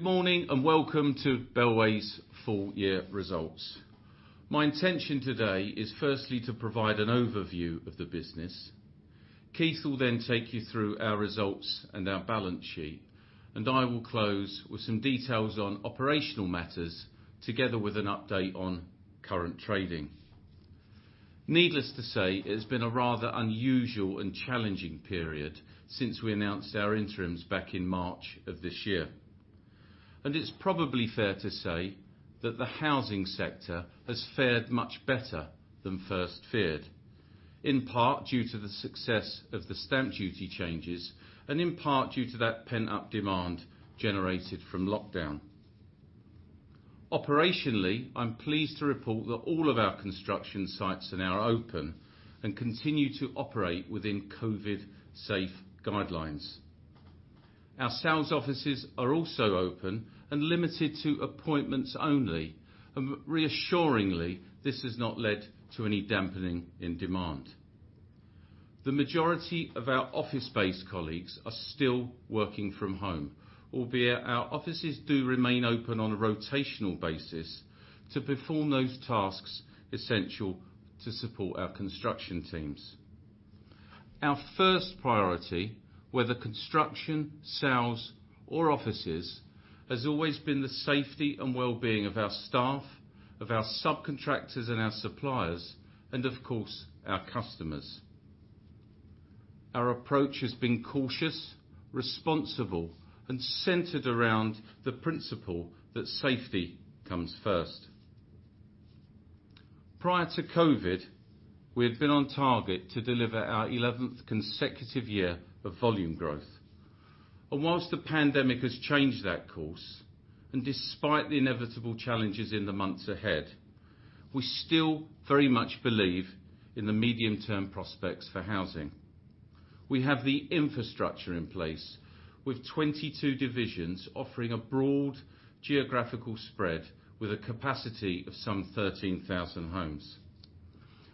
Good morning, welcome to Bellway's Full Year Results. My intention today is firstly to provide an overview of the business. Keith will then take you through our results and our balance sheet, and I will close with some details on operational matters together with an update on current trading. Needless to say, it has been a rather unusual and challenging period since we announced our interims back in March of this year. It's probably fair to say that the housing sector has fared much better than first feared, in part due to the success of the stamp duty changes, and in part due to that pent-up demand generated from lockdown. Operationally, I'm pleased to report that all of our construction sites are now open and continue to operate within COVID-safe guidelines. Our sales offices are also open and limited to appointments only. Reassuringly, this has not led to any dampening in demand. The majority of our office-based colleagues are still working from home, albeit our offices do remain open on a rotational basis to perform those tasks essential to support our construction teams. Our first priority, whether construction, sales, or offices, has always been the safety and wellbeing of our staff, of our subcontractors and our suppliers, and of course, our customers. Our approach has been cautious, responsible, and centered around the principle that safety comes first. Prior to COVID-19, we had been on target to deliver our 11th consecutive year of volume growth. Whilst the pandemic has changed that course, and despite the inevitable challenges in the months ahead, we still very much believe in the medium-term prospects for housing. We have the infrastructure in place, with 22 divisions offering a broad geographical spread with a capacity of some 13,000 homes.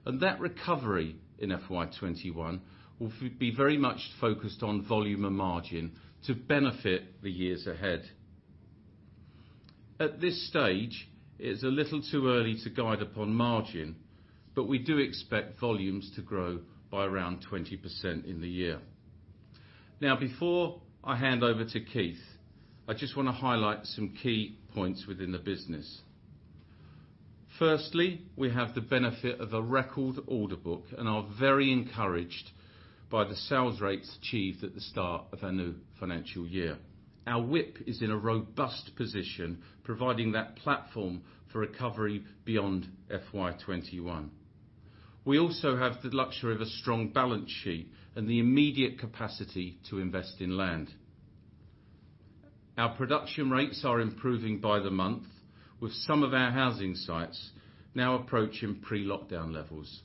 That recovery in FY 2021 will be very much focused on volume and margin to benefit the years ahead. At this stage, it's a little too early to guide upon margin, but we do expect volumes to grow by around 20% in the year. Now, before I hand over to Keith, I just want to highlight some key points within the business. Firstly, we have the benefit of a record order book and are very encouraged by the sales rates achieved at the start of our new financial year. Our WIP is in a robust position, providing that platform for recovery beyond FY 2021. We also have the luxury of a strong balance sheet and the immediate capacity to invest in land. Our production rates are improving by the month, with some of our housing sites now approaching pre-lockdown levels.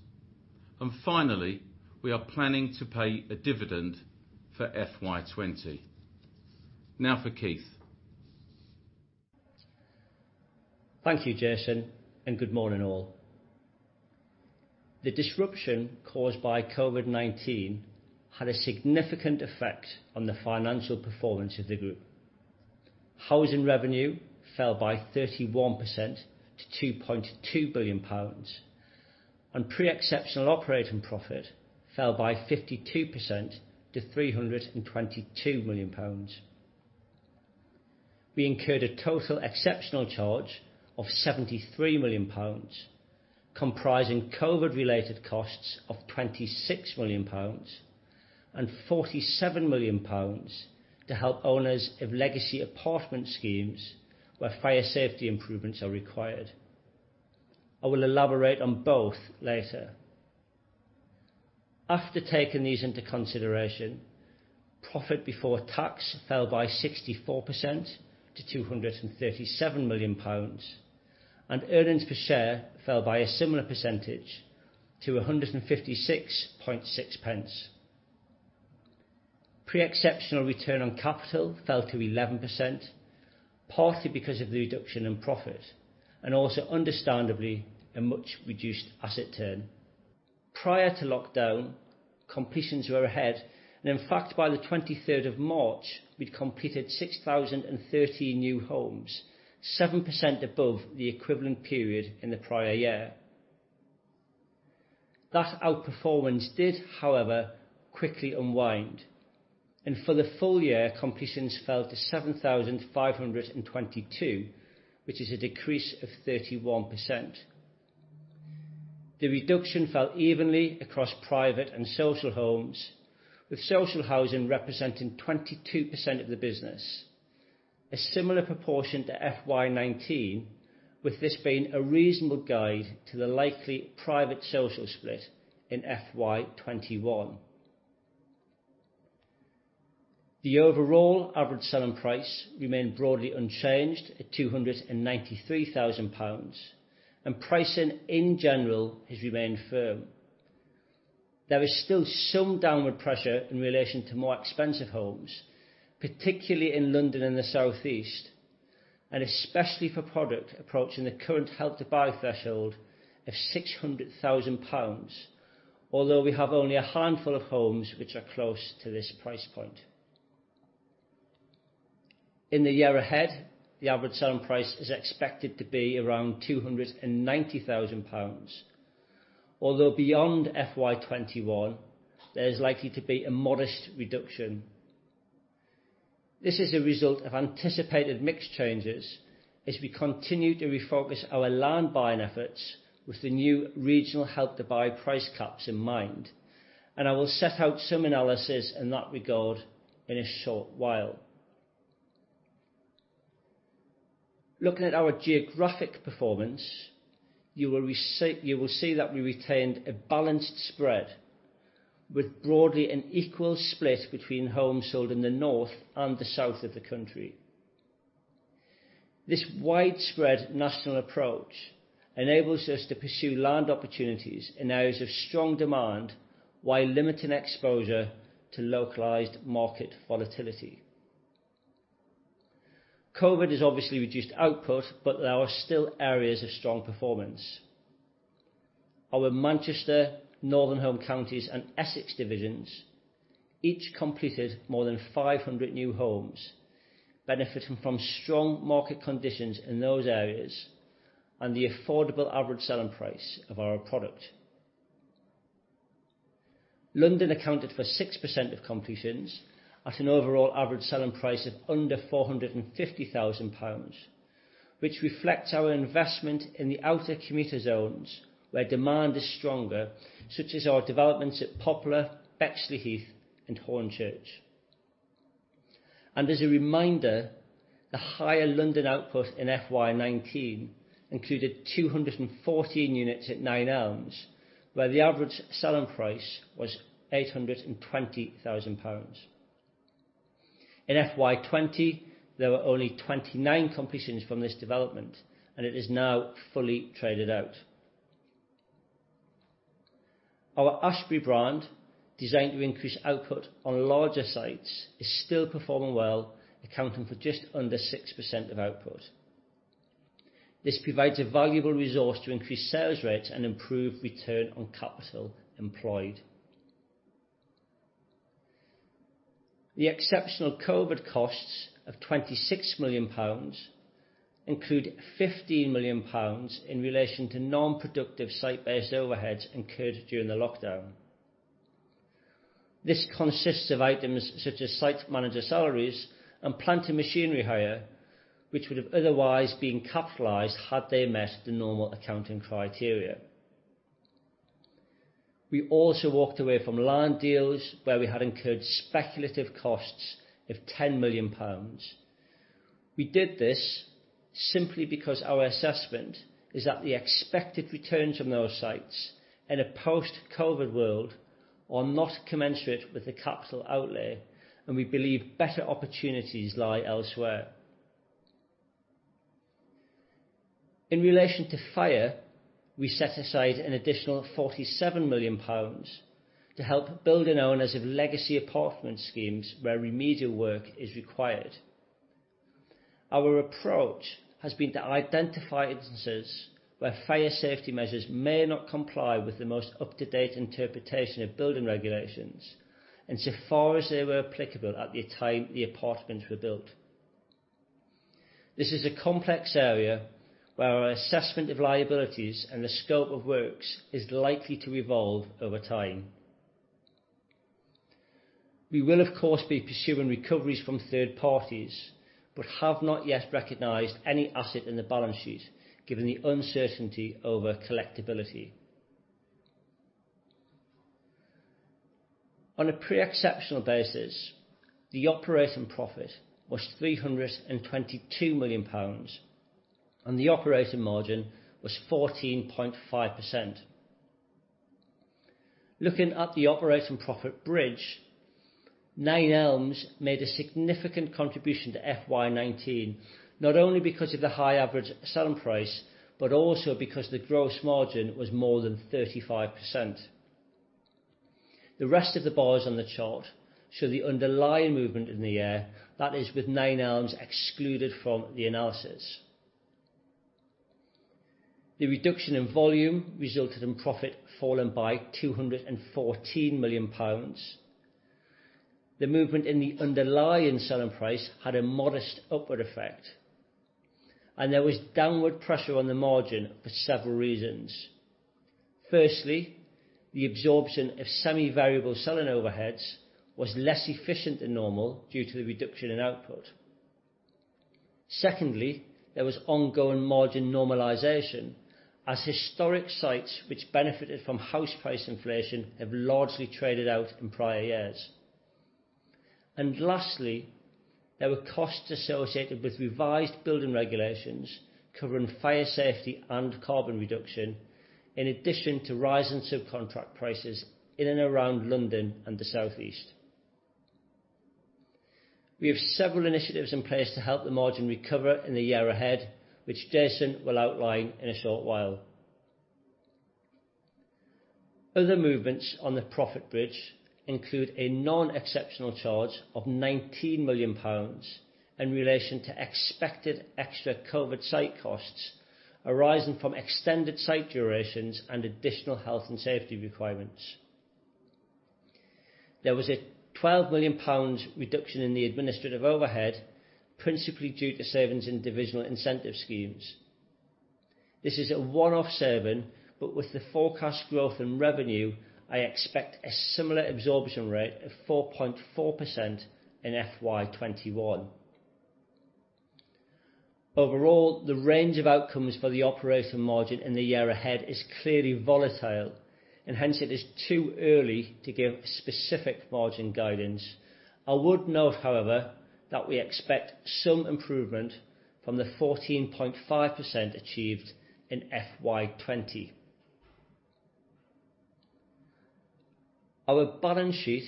Finally, we are planning to pay a dividend for FY 2020. Now for Keith. Thank you, Jason, and good morning all. The disruption caused by COVID-19 had a significant effect on the financial performance of the group. Housing revenue fell by 31% to 2.2 billion pounds, and pre-exceptional operating profit fell by 52% to 322 million pounds. We incurred a total exceptional charge of 73 million pounds, comprising COVID-related costs of 26 million pounds and 47 million pounds to help owners of legacy apartment schemes where fire safety improvements are required. I will elaborate on both later. After taking these into consideration, profit before tax fell by 64% to 237 million pounds, and earnings per share fell by a similar percentage to 1.566. Pre-exceptional return on capital fell to 11%, partly because of the reduction in profit, and also understandably, a much reduced asset turn. Prior to lockdown, completions were ahead, and in fact, by the March 23rd, we'd completed 6,030 new homes, 7% above the equivalent period in the prior year. That outperformance did, however, quickly unwind, and for the full year, completions fell to 7,522, which is a decrease of 31%. The reduction fell evenly across private and social homes, with social housing representing 22% of the business, a similar proportion to FY 2019, with this being a reasonable guide to the likely private social split in FY 2021. The overall average selling price remained broadly unchanged at 293,000 pounds, and pricing in general has remained firm. There is still some downward pressure in relation to more expensive homes, particularly in London and the Southeast, and especially for product approaching the current Help to Buy threshold of 600,000 pounds. Although we have only a handful of homes which are close to this price point. In the year ahead, the average selling price is expected to be around 290,000 pounds. Beyond FY 2021, there is likely to be a modest reduction. This is a result of anticipated mix changes as we continue to refocus our land buying efforts with the new regional Help to Buy price caps in mind. I will set out some analysis in that regard in a short while. Looking at our geographic performance, you will see that we retained a balanced spread with broadly an equal split between homes sold in the north and the south of the country. This widespread national approach enables us to pursue land opportunities in areas of strong demand, while limiting exposure to localized market volatility. COVID has obviously reduced output. There are still areas of strong performance. Our Manchester, Northern Home Counties and Essex divisions each completed more than 500 new homes, benefiting from strong market conditions in those areas and the affordable average selling price of our product. London accounted for 6% of completions at an overall average selling price of under 450,000 pounds, which reflects our investment in the outer commuter zones where demand is stronger, such as our developments at Poplar, Bexleyheath and Hornchurch. As a reminder, the higher London output in FY 2019 included 214 units at Nine Elms, where the average selling price was 820,000 pounds. In FY 2020, there were only 29 completions from this development, and it is now fully traded out. Our Ashberry brand, designed to increase output on larger sites, is still performing well, accounting for just under 6% of output. This provides a valuable resource to increase sales rates and improve return on capital employed. The exceptional COVID costs of 26 million pounds include 15 million pounds in relation to non-productive site-based overheads incurred during the lockdown. This consists of items such as site manager salaries and plant and machinery hire, which would have otherwise been capitalized had they met the normal accounting criteria. We also walked away from land deals where we had incurred speculative costs of 10 million pounds. We did this simply because our assessment is that the expected returns from those sites in a post-COVID world are not commensurate with the capital outlay, and we believe better opportunities lie elsewhere. In relation to fire, we set aside an additional 47 million pounds to help building owners of legacy apartment schemes where remedial work is required. Our approach has been to identify instances where fire safety measures may not comply with the most up-to-date interpretation of building regulations and so far as they were applicable at the time the apartments were built. This is a complex area where our assessment of liabilities and the scope of works is likely to evolve over time. We will of course, be pursuing recoveries from third parties, but have not yet recognized any asset in the balance sheet, given the uncertainty over collectability. On a pre-exceptional basis, the operating profit was 322 million pounds, and the operating margin was 14.5%. Looking at the operating profit bridge, Nine Elms made a significant contribution to FY 2019, not only because of the high average selling price, but also because the gross margin was more than 35%. The rest of the bars on the chart show the underlying movement in the year, that is with Nine Elms excluded from the analysis. The reduction in volume resulted in profit falling by 214 million pounds. The movement in the underlying selling price had a modest upward effect. There was downward pressure on the margin for several reasons. Firstly, the absorption of semi-variable selling overheads was less efficient than normal due to the reduction in output. Secondly, there was ongoing margin normalization as historic sites which benefited from house price inflation have largely traded out in prior years. Lastly, there were costs associated with revised building regulations covering fire safety and carbon reduction, in addition to rising subcontract prices in and around London and the Southeast. We have several initiatives in place to help the margin recover in the year ahead, which Jason will outline in a short while. Other movements on the profit bridge include a non-exceptional charge of 19 million pounds in relation to expected extra COVID-19 site costs arising from extended site durations and additional health and safety requirements. There was a 12 million pounds reduction in the administrative overhead, principally due to savings in divisional incentive schemes. This is a one-off saving, but with the forecast growth in revenue, I expect a similar absorption rate of 4.4% in FY 2021. Overall, the range of outcomes for the operating margin in the year ahead is clearly volatile and hence it is too early to give specific margin guidance. I would note, however, that we expect some improvement from the 14.5% achieved in FY 2020. Our balance sheet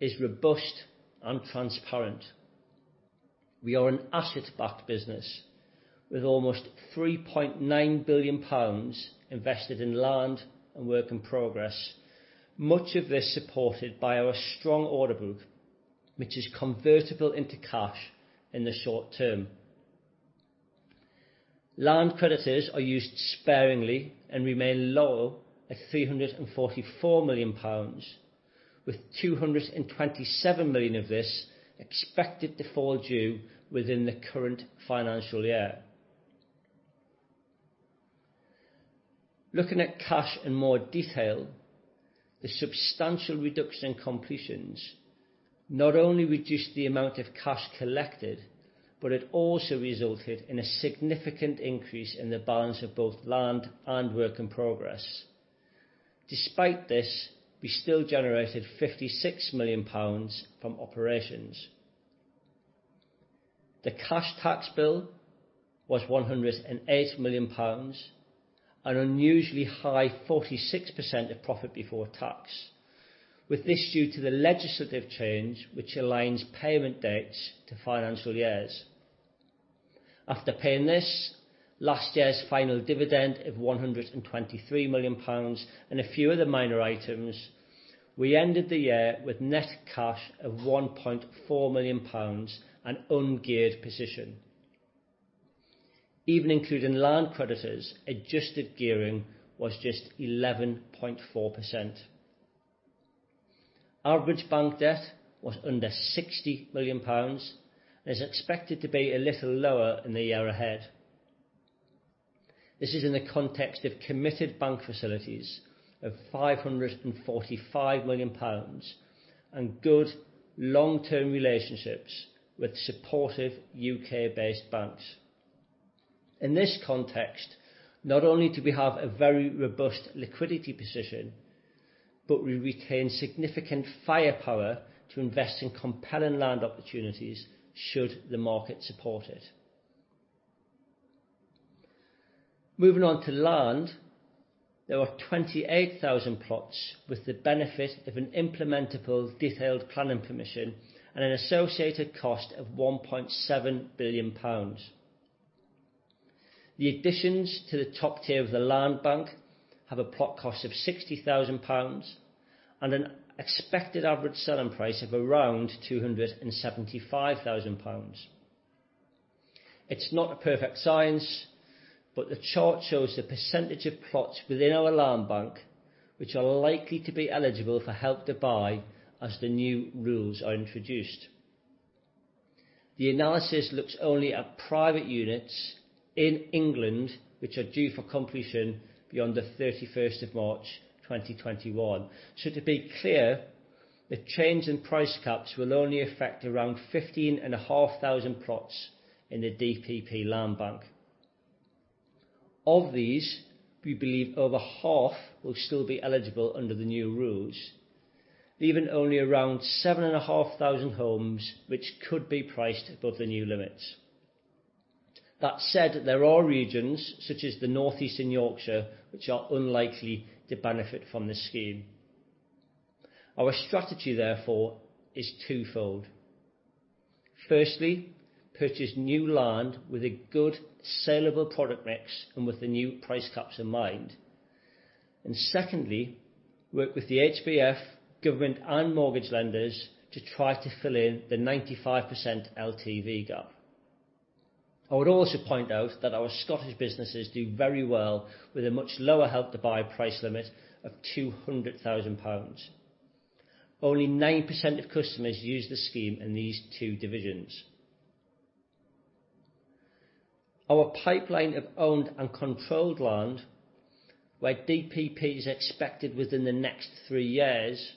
is robust and transparent. We are an asset-backed business with almost 3.9 billion pounds invested in land and work in progress, much of this supported by our strong order book, which is convertible into cash in the short term. Land creditors are used sparingly and remain low at 344 million pounds, with 227 million of this expected to fall due within the current financial year. Looking at cash in more detail, the substantial reduction in completions not only reduced the amount of cash collected, but it also resulted in a significant increase in the balance of both land and work in progress. Despite this, we still generated 56 million pounds from operations. The cash tax bill was 108 million pounds, an unusually high 46% of profit before tax. With this due to the legislative change, which aligns payment dates to financial years. After paying this, last year's final dividend of 123 million pounds and a few other minor items, we ended the year with net cash of 1.4 million pounds and ungeared position. Even including land creditors, adjusted gearing was just 11.4%. Average bank debt was under 60 million pounds and is expected to be a little lower in the year ahead. This is in the context of committed bank facilities of 545 million pounds and good long-term relationships with supportive U.K.-based banks. In this context, not only do we have a very robust liquidity position, but we retain significant firepower to invest in compelling land opportunities should the market support it. Moving on to land, there are 28,000 plots with the benefit of an implementable detailed planning permission and an associated cost of 1.7 billion pounds. The additions to the top tier of the land bank have a plot cost of 60,000 pounds and an expected average selling price of around 275,000 pounds. It's not a perfect science; the chart shows the percent of plots within our land bank which are likely to be eligible for Help to Buy as the new rules are introduced. The analysis looks only at private units in England, which are due for completion beyond the March 31st, 2021. To be clear, the change in price caps will only affect around 15,500 plots in the DPP land bank. Of these, we believe over half will still be eligible under the new rules, leaving only around 7,500 homes which could be priced above the new limits. That said, there are regions such as the North East and Yorkshire, which are unlikely to benefit from this scheme. Our strategy, therefore, is twofold. Firstly, purchase new land with a good saleable product mix and with the new price caps in mind. Secondly, work with the HBF, government, and mortgage lenders to try to fill in the 95% LTV gap. I would also point out that our Scottish businesses do very well with a much lower Help to Buy price limit of 200,000 pounds. Only 9% of customers use the scheme in these two divisions. Our pipeline of owned and controlled land, where DPP is expected within the next three years,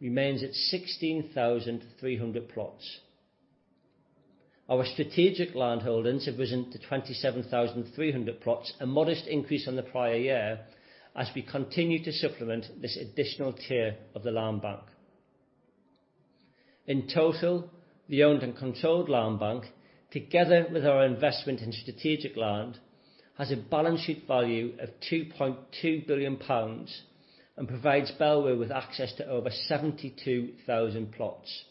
remains at 16,300 plots. Our strategic landholdings have risen to 27,300 plots, a modest increase on the prior year as we continue to supplement this additional tier of the land bank. In total, the owned and controlled land bank, together with our investment in strategic land, has a balance sheet value of 2.2 billion pounds and provides Bellway with access to over 72,000 plots.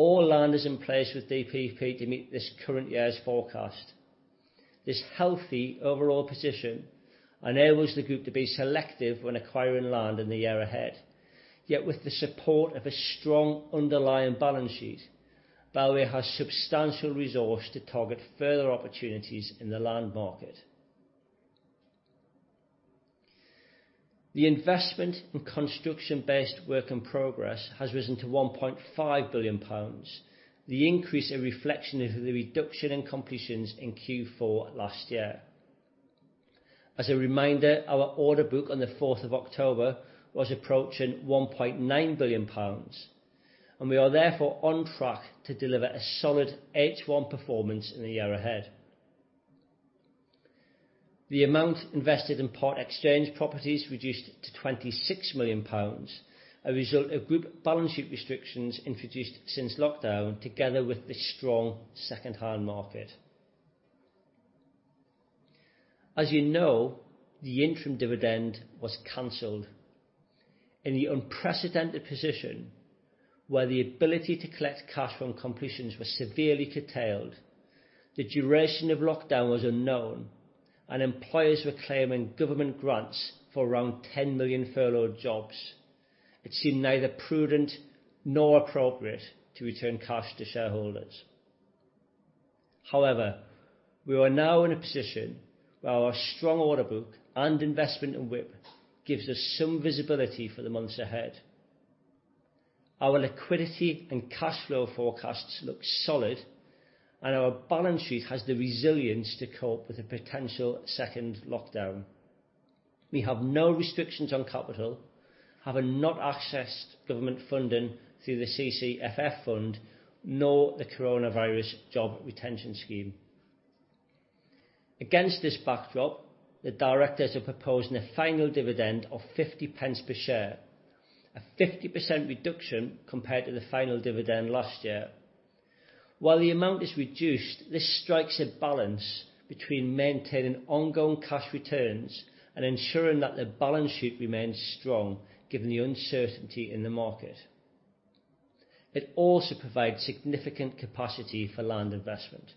All land is in place with DPP to meet this current year's forecast. This healthy overall position enables the group to be selective when acquiring land in the year ahead. With the support of a strong underlying balance sheet, Bellway has substantial resource to target further opportunities in the land market. The investment and construction-based work in progress has risen to 1.5 billion pounds. The increase a reflection of the reduction in completions in Q4 last year. As a reminder, our order book on the October 4th was approaching 1.9 billion pounds, and we are therefore on track to deliver a solid H1 performance in the year ahead. The amount invested in part exchange properties reduced to 26 million pounds, a result of group balance sheet restrictions introduced since lockdown together with the strong secondhand market. As you know, the interim dividend was canceled. In the unprecedented position where the ability to collect cash from completions were severely curtailed, the duration of lockdown was unknown, and employers were claiming government grants for around 10 million furloughed jobs. It seemed neither prudent nor appropriate to return cash to shareholders. However, we are now in a position where our strong order book and investment in WIP gives us some visibility for the months ahead. Our liquidity and cash flow forecasts look solid, and our balance sheet has the resilience to cope with a potential second lockdown. We have no restrictions on capital, have not accessed government funding through the CCFF Fund, nor the Coronavirus Job Retention Scheme. Against this backdrop, the directors are proposing a final dividend of 0.50 per share. A 50% reduction compared to the final dividend last year. While the amount is reduced, this strikes a balance between maintaining ongoing cash returns and ensuring that the balance sheet remains strong given the uncertainty in the market. It also provides significant capacity for land investment.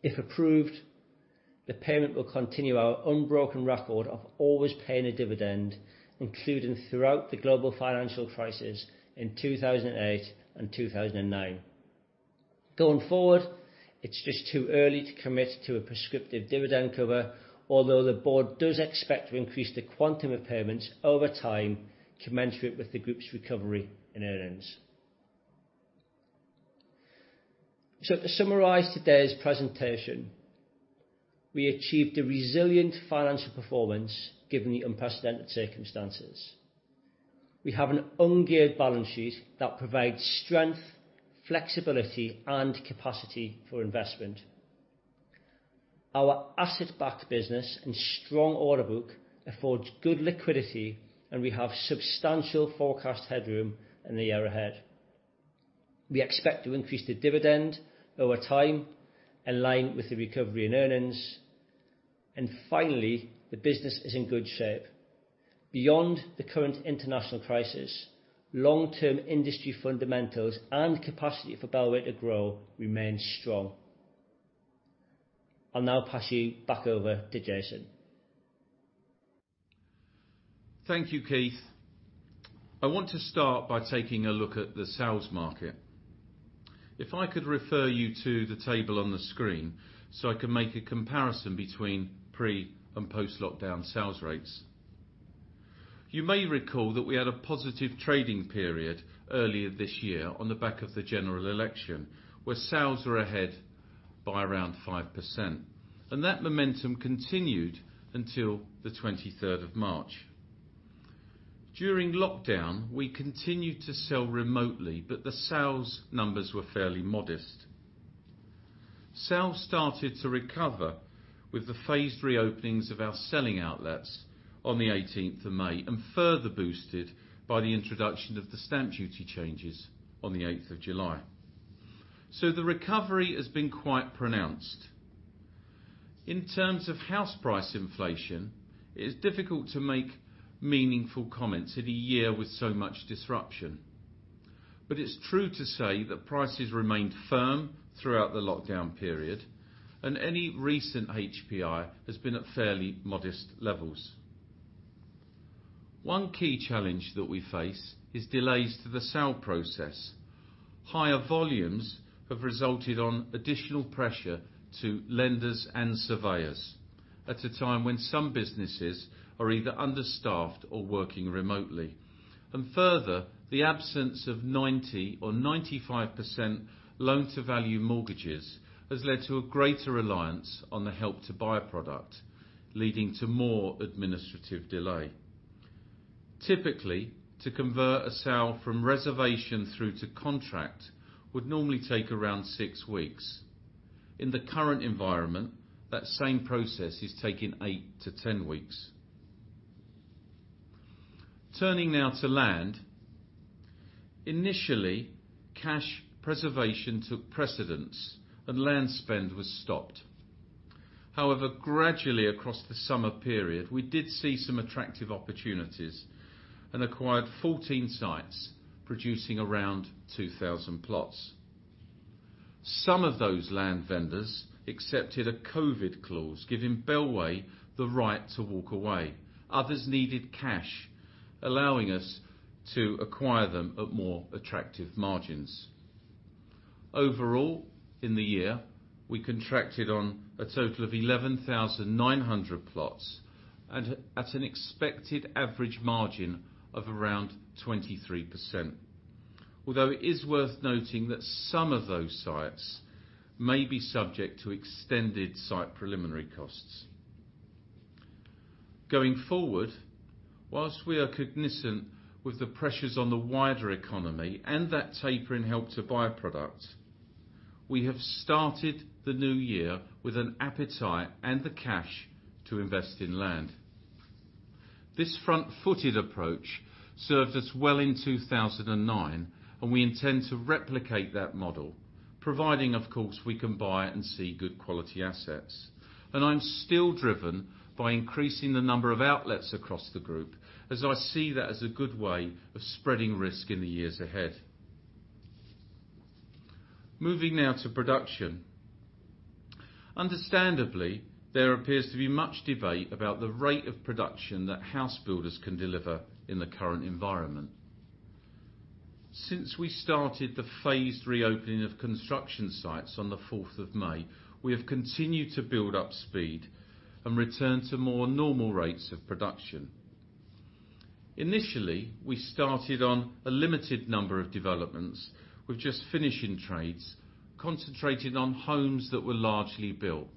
If approved, the payment will continue our unbroken record of always paying a dividend, including throughout the global financial crisis in 2008 and 2009. Going forward, it's just too early to commit to a prescriptive dividend cover, although the board does expect to increase the quantum of payments over time commensurate with the group's recovery and earnings. To summarize today's presentation, we achieved a resilient financial performance given the unprecedented circumstances. We have an ungeared balance sheet that provides strength, flexibility, and capacity for investment. Our asset-backed business and strong order book affords good liquidity, and we have substantial forecast headroom in the year ahead. We expect to increase the dividend over time in line with the recovery and earnings. Finally, the business is in good shape. Beyond the current international crisis, long-term industry fundamentals and capacity for Bellway to grow remains strong. I'll now pass you back over to Jason. Thank you, Keith. I want to start by taking a look at the sales market. If I could refer you to the table on the screen so I can make a comparison between pre- and post-lockdown sales rates. You may recall that we had a positive trading period earlier this year on the back of the general election, where sales were ahead by around 5%. That momentum continued until the March 23rd. During lockdown, we continued to sell remotely, but the sales numbers were fairly modest. Sales started to recover with the phased reopenings of our selling outlets on the May 18th and further boosted by the introduction of the stamp duty changes on the July 8th. The recovery has been quite pronounced. In terms of house price inflation, it is difficult to make meaningful comments in a year with so much disruption. It's true to say that prices remained firm throughout the lockdown period, and any recent HPI has been at fairly modest levels. One key challenge that we face is delays to the sale process. Higher volumes have resulted on additional pressure to lenders and surveyors at a time when some businesses are either understaffed or working remotely. Further, the absence of 90% or 95% loan-to-value mortgages has led to a greater reliance on the Help to Buy product, leading to more administrative delay. Typically, to convert a sale from reservation through to contract would normally take around six weeks. In the current environment, that same process is taking eight to 10 weeks. Turning now to land. Initially, cash preservation took precedence and land spend was stopped. However, gradually across the summer period, we did see some attractive opportunities and acquired 14 sites producing around 2,000 plots. Some of those land vendors accepted a COVID clause giving Bellway the right to walk away. Others needed cash, allowing us to acquire them at more attractive margins. Overall, in the year, we contracted on a total of 11,900 plots and at an expected average margin of around 23%. It is worth noting that some of those sites may be subject to extended site preliminary costs. Going forward, whilst we are cognizant with the pressures on the wider economy and that taper in Help to Buy products, we have started the new year with an appetite and the cash to invest in land. This front-footed approach served us well in 2009, and we intend to replicate that model, providing, of course, we can buy and see good quality assets. I'm still driven by increasing the number of outlets across the group, as I see that as a good way of spreading risk in the years ahead. Moving now to production. Understandably, there appears to be much debate about the rate of production that housebuilders can deliver in the current environment. Since we started the phased reopening of construction sites on the May 4th, we have continued to build up speed and return to more normal rates of production. Initially, we started on a limited number of developments with just finishing trades, concentrating on homes that were largely built.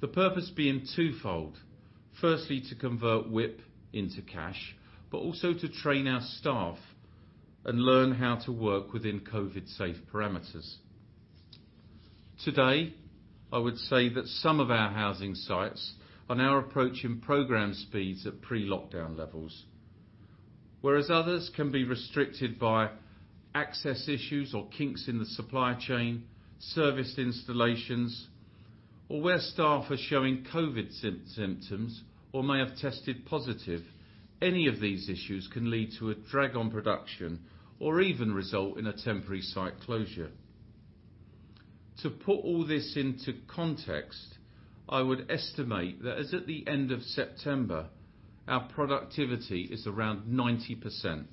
The purpose being twofold. Firstly, to convert WIP into cash, but also to train our staff and learn how to work within COVID-19 safe parameters. Today, I would say that some of our housing sites are now approaching program speeds at pre-lockdown levels. Whereas others can be restricted by access issues or kinks in the supply chain, service installations, or where staff are showing COVID-19 symptoms or may have tested positive. Any of these issues can lead to a drag on production or even result in a temporary site closure. To put all this into context, I would estimate that as at the end of September, our productivity is around 90%.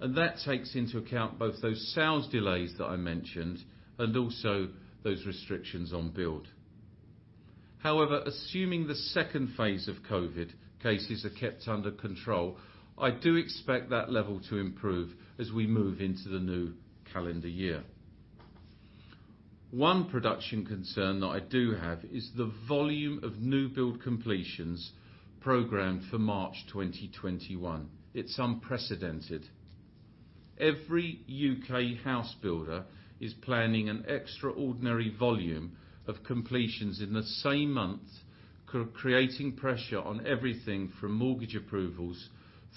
That takes into account both those sales delays that I mentioned and also those restrictions on build. However, assuming the second phase of COVID-19 cases are kept under control, I do expect that level to improve as we move into the new calendar year. One production concern that I do have is the volume of new build completions programmed for March 2021. It's unprecedented. Every U.K. house builder is planning an extraordinary volume of completions in the same month, creating pressure on everything from mortgage approvals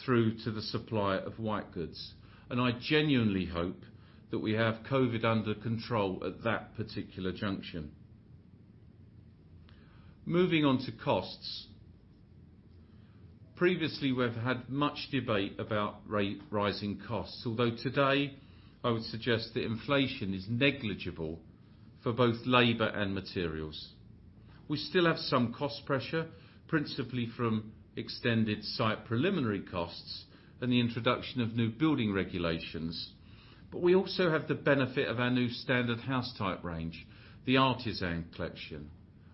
through to the supply of white goods. I genuinely hope that we have COVID-19 under control at that particular junction. Moving on to costs. Previously, we've had much debate about rising costs. Today, I would suggest that inflation is negligible for both labor and materials. We still have some cost pressure, principally from extended site preliminary costs and the introduction of new building regulations. We also have the benefit of our new standard house type range, the Artisan Collection,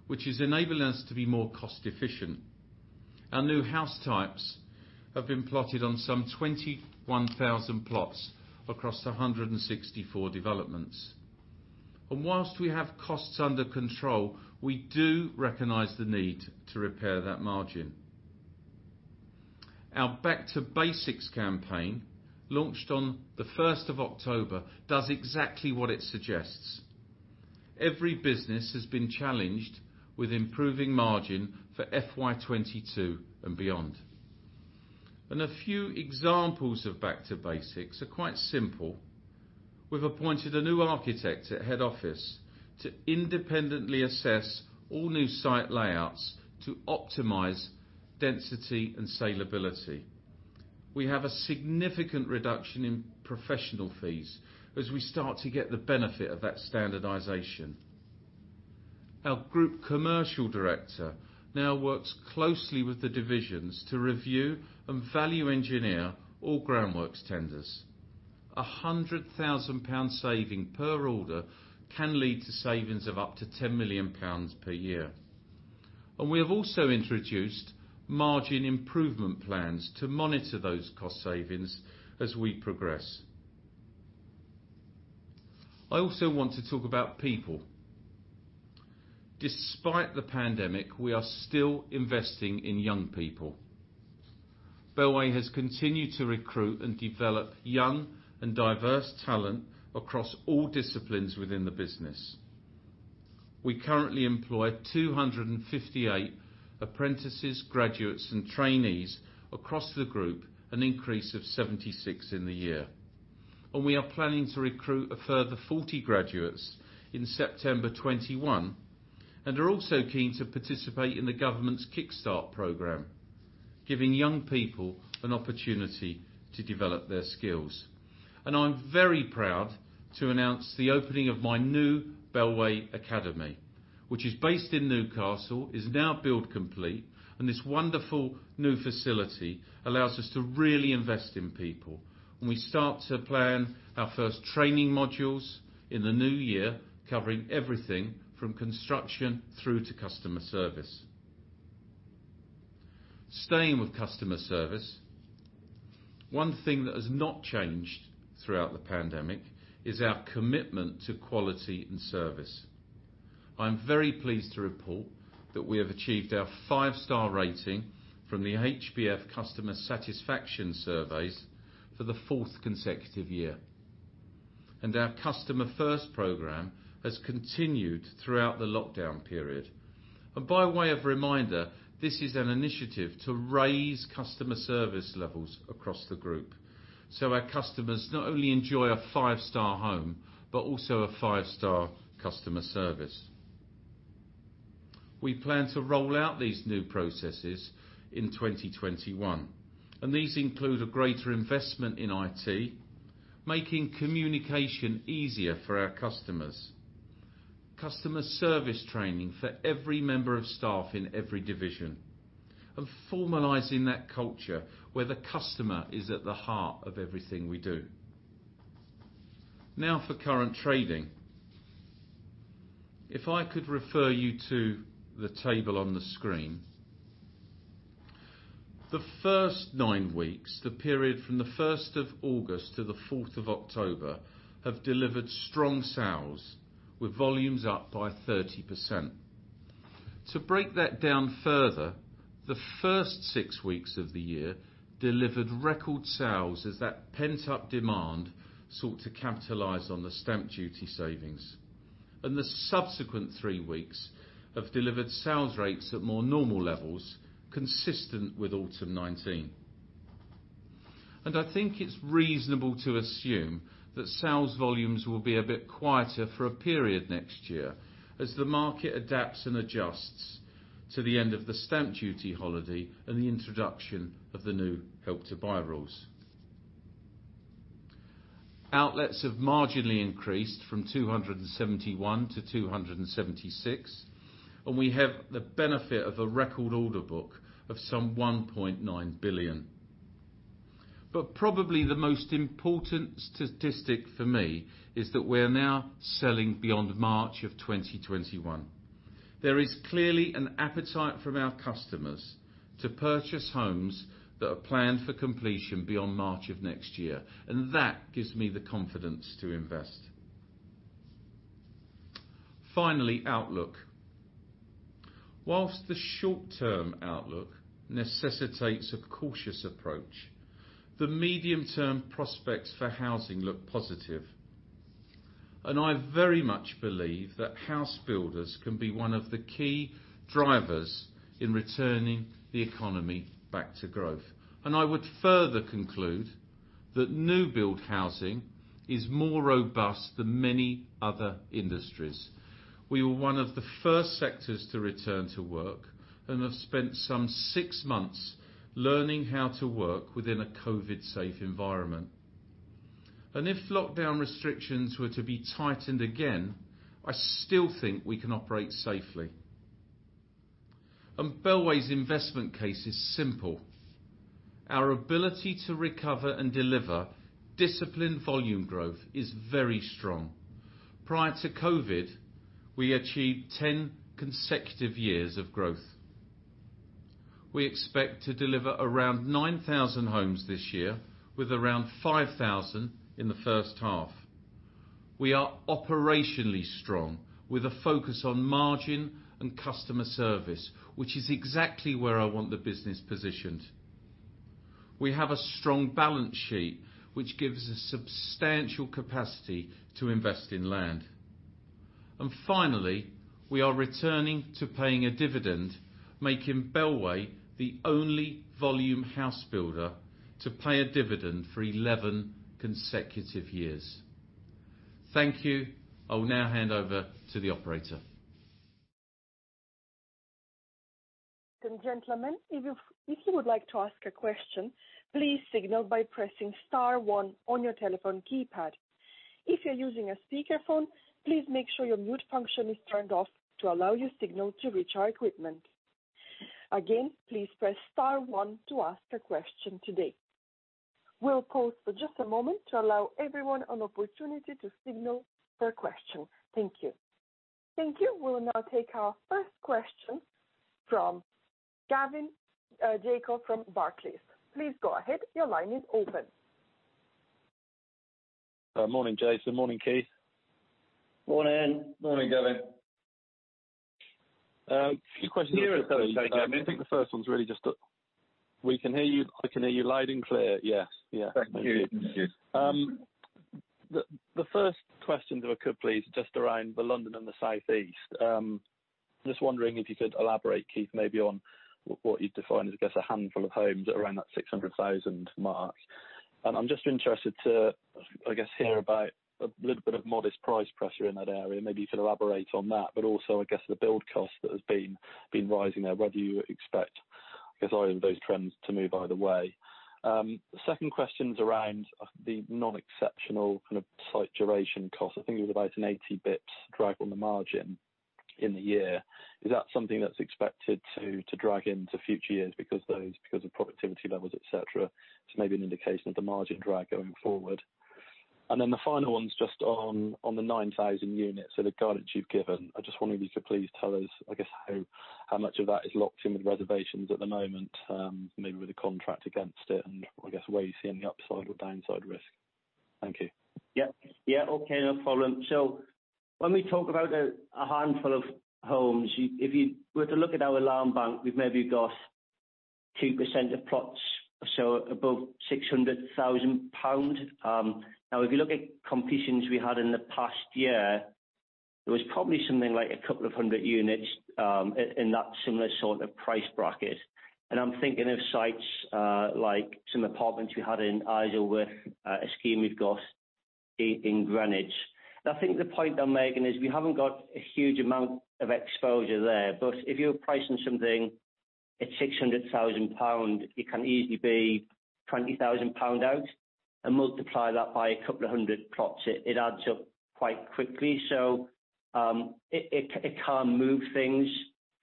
which is enabling us to be more cost efficient. Our new house types have been plotted on some 21,000 plots across 164 developments. Whilst we have costs under control, we do recognize the need to repair that margin. Our Back to Basics campaign, launched on the October 1st, does exactly what it suggests. Every business has been challenged with improving margin for FY 2022 and beyond. A few examples of Back to Basics are quite simple. We've appointed a new architect at head office to independently assess all new site layouts to optimize density and salability. We have a significant reduction in professional fees as we start to get the benefit of that standardization. Our group commercial director now works closely with the divisions to review, and value engineer all groundworks tenders. 100,000 pounds saving per order can lead to savings of up to 10 million pounds per year. We have also introduced margin improvement plans to monitor those cost savings as we progress. I also want to talk about people. Despite the pandemic, we are still investing in young people. Bellway has continued to recruit and develop young and diverse talent across all disciplines within the business. We currently employ 258 apprentices, graduates, and trainees across the group, an increase of 76 in the year. We are planning to recruit a further 40 graduates in September 2021, and are also keen to participate in the government's Kickstart Scheme, giving young people an opportunity to develop their skills. I'm very proud to announce the opening of my new Bellway Academy, which is based in Newcastle, is now build complete. This wonderful new facility allows us to really invest in people. We start to plan our first training modules in the new year, covering everything from construction through to customer service. Staying with customer service, one thing that has not changed throughout the pandemic is our commitment to quality and service. I'm very pleased to report that we have achieved our five-star rating from the HBF customer satisfaction surveys for the fourth consecutive year. Our Customer First program has continued throughout the lockdown period. By way of reminder, this is an initiative to raise customer service levels across the group. Our customers not only enjoy a five-star home, but also a five-star customer service. We plan to roll out these new processes in 2021, and these include a greater investment in IT, making communication easier for our customers, customer service training for every member of staff in every division, and formalizing that culture where the customer is at the heart of everything we do. Now for current trading. If I could refer you to the table on the screen. The first nine weeks, the period from the August 1st to the October 4th, have delivered strong sales, with volumes up by 30%. To break that down further, the first six weeks of the year delivered record sales as that pent-up demand sought to capitalize on the stamp duty savings. The subsequent three weeks have delivered sales rates at more normal levels, consistent with autumn 2019. I think it's reasonable to assume that sales volumes will be a bit quieter for a period next year as the market adapts and adjusts to the end of the stamp duty holiday and the introduction of the new Help to Buy rules. Outlets have marginally increased from 271 to 276, and we have the benefit of a record order book of some 1.9 billion. Probably the most important statistic for me is that we are now selling beyond March of 2021. There is clearly an appetite from our customers to purchase homes that are planned for completion beyond March of next year, and that gives me the confidence to invest. Finally, outlook. Whilst the short-term outlook necessitates a cautious approach, the medium-term prospects for housing look positive, and I very much believe that house builders can be one of the key drivers in returning the economy back to growth. I would further conclude that new build housing is more robust than many other industries. We were one of the first sectors to return to work and have spent some six months learning how to work within a COVID safe environment. If lockdown restrictions were to be tightened again, I still think we can operate safely. Bellway's investment case is simple. Our ability to recover and deliver disciplined volume growth is very strong. Prior to COVID-19, we achieved 10 consecutive years of growth. We expect to deliver around 9,000 homes this year, with around 5,000 in the first half. We are operationally strong with a focus on margin and customer service, which is exactly where I want the business positioned. We have a strong balance sheet, which gives a substantial capacity to invest in land. Finally, we are returning to paying a dividend, making Bellway the only volume house builder to pay a dividend for 11 consecutive years. Thank you. I'll now hand over to the operator. Gentlemen, if you would like to ask a question, please signal by pressing star one on your telephone keypad. If you're using a speakerphone, please make sure your mute function is turned off to allow your signal to reach our equipment. Again, please press star one to ask a question today. We'll pause for just a moment to allow everyone an opportunity to signal their question. Thank you. Thank you. We'll now take our first question from Gavin Jago from Barclays. Please go ahead. Your line is open. Morning, Jason. Morning, Keith. Morning. Morning, Gavin. A few questions. You're on mute, Gavin. I think the first one's really just, we can hear you. I can hear you loud and clear. Yes. Yeah. Thank you. The first question, if I could please, just around the London and the Southeast. Just wondering if you could elaborate, Keith, maybe on what you'd define as, I guess, a handful of homes at around that 600,000 mark. I'm just interested to hear about a little bit of modest price pressure in that area. Maybe you could elaborate on that, but also I guess the build cost that has been rising there. Whether you expect, I guess, either of those trends to move either way. Second question is around the non-exceptional kind of site duration cost. I think it was about an 80 bps drag on the margin in the year. Is that something that's expected to drag into future years because of productivity levels, et cetera? Maybe an indication of the margin drags going forward. The final one's just on the 9,000 units. The guidance you've given, I just wondering if you could please tell us how much of that is locked in with reservations at the moment, maybe with a contract against it, and where you see any upside or downside risk. Thank you. Okay, no problem. When we talk about a handful of homes, if you were to look at our land bank, we've maybe got 2% of plots, above 600,000 pounds. If you look at completions we had in the past year, there was probably something like 200 units, in that similar sort of price bracket. I'm thinking of sites like some apartments we had in Isleworth, a scheme we've got in Greenwich. I think the point I'm making is we haven't got a huge amount of exposure there. If you're pricing something at 600,000 pound, it can easily be 20,000 pound out, and multiply that by 200 plots. It adds up quite quickly. It can move things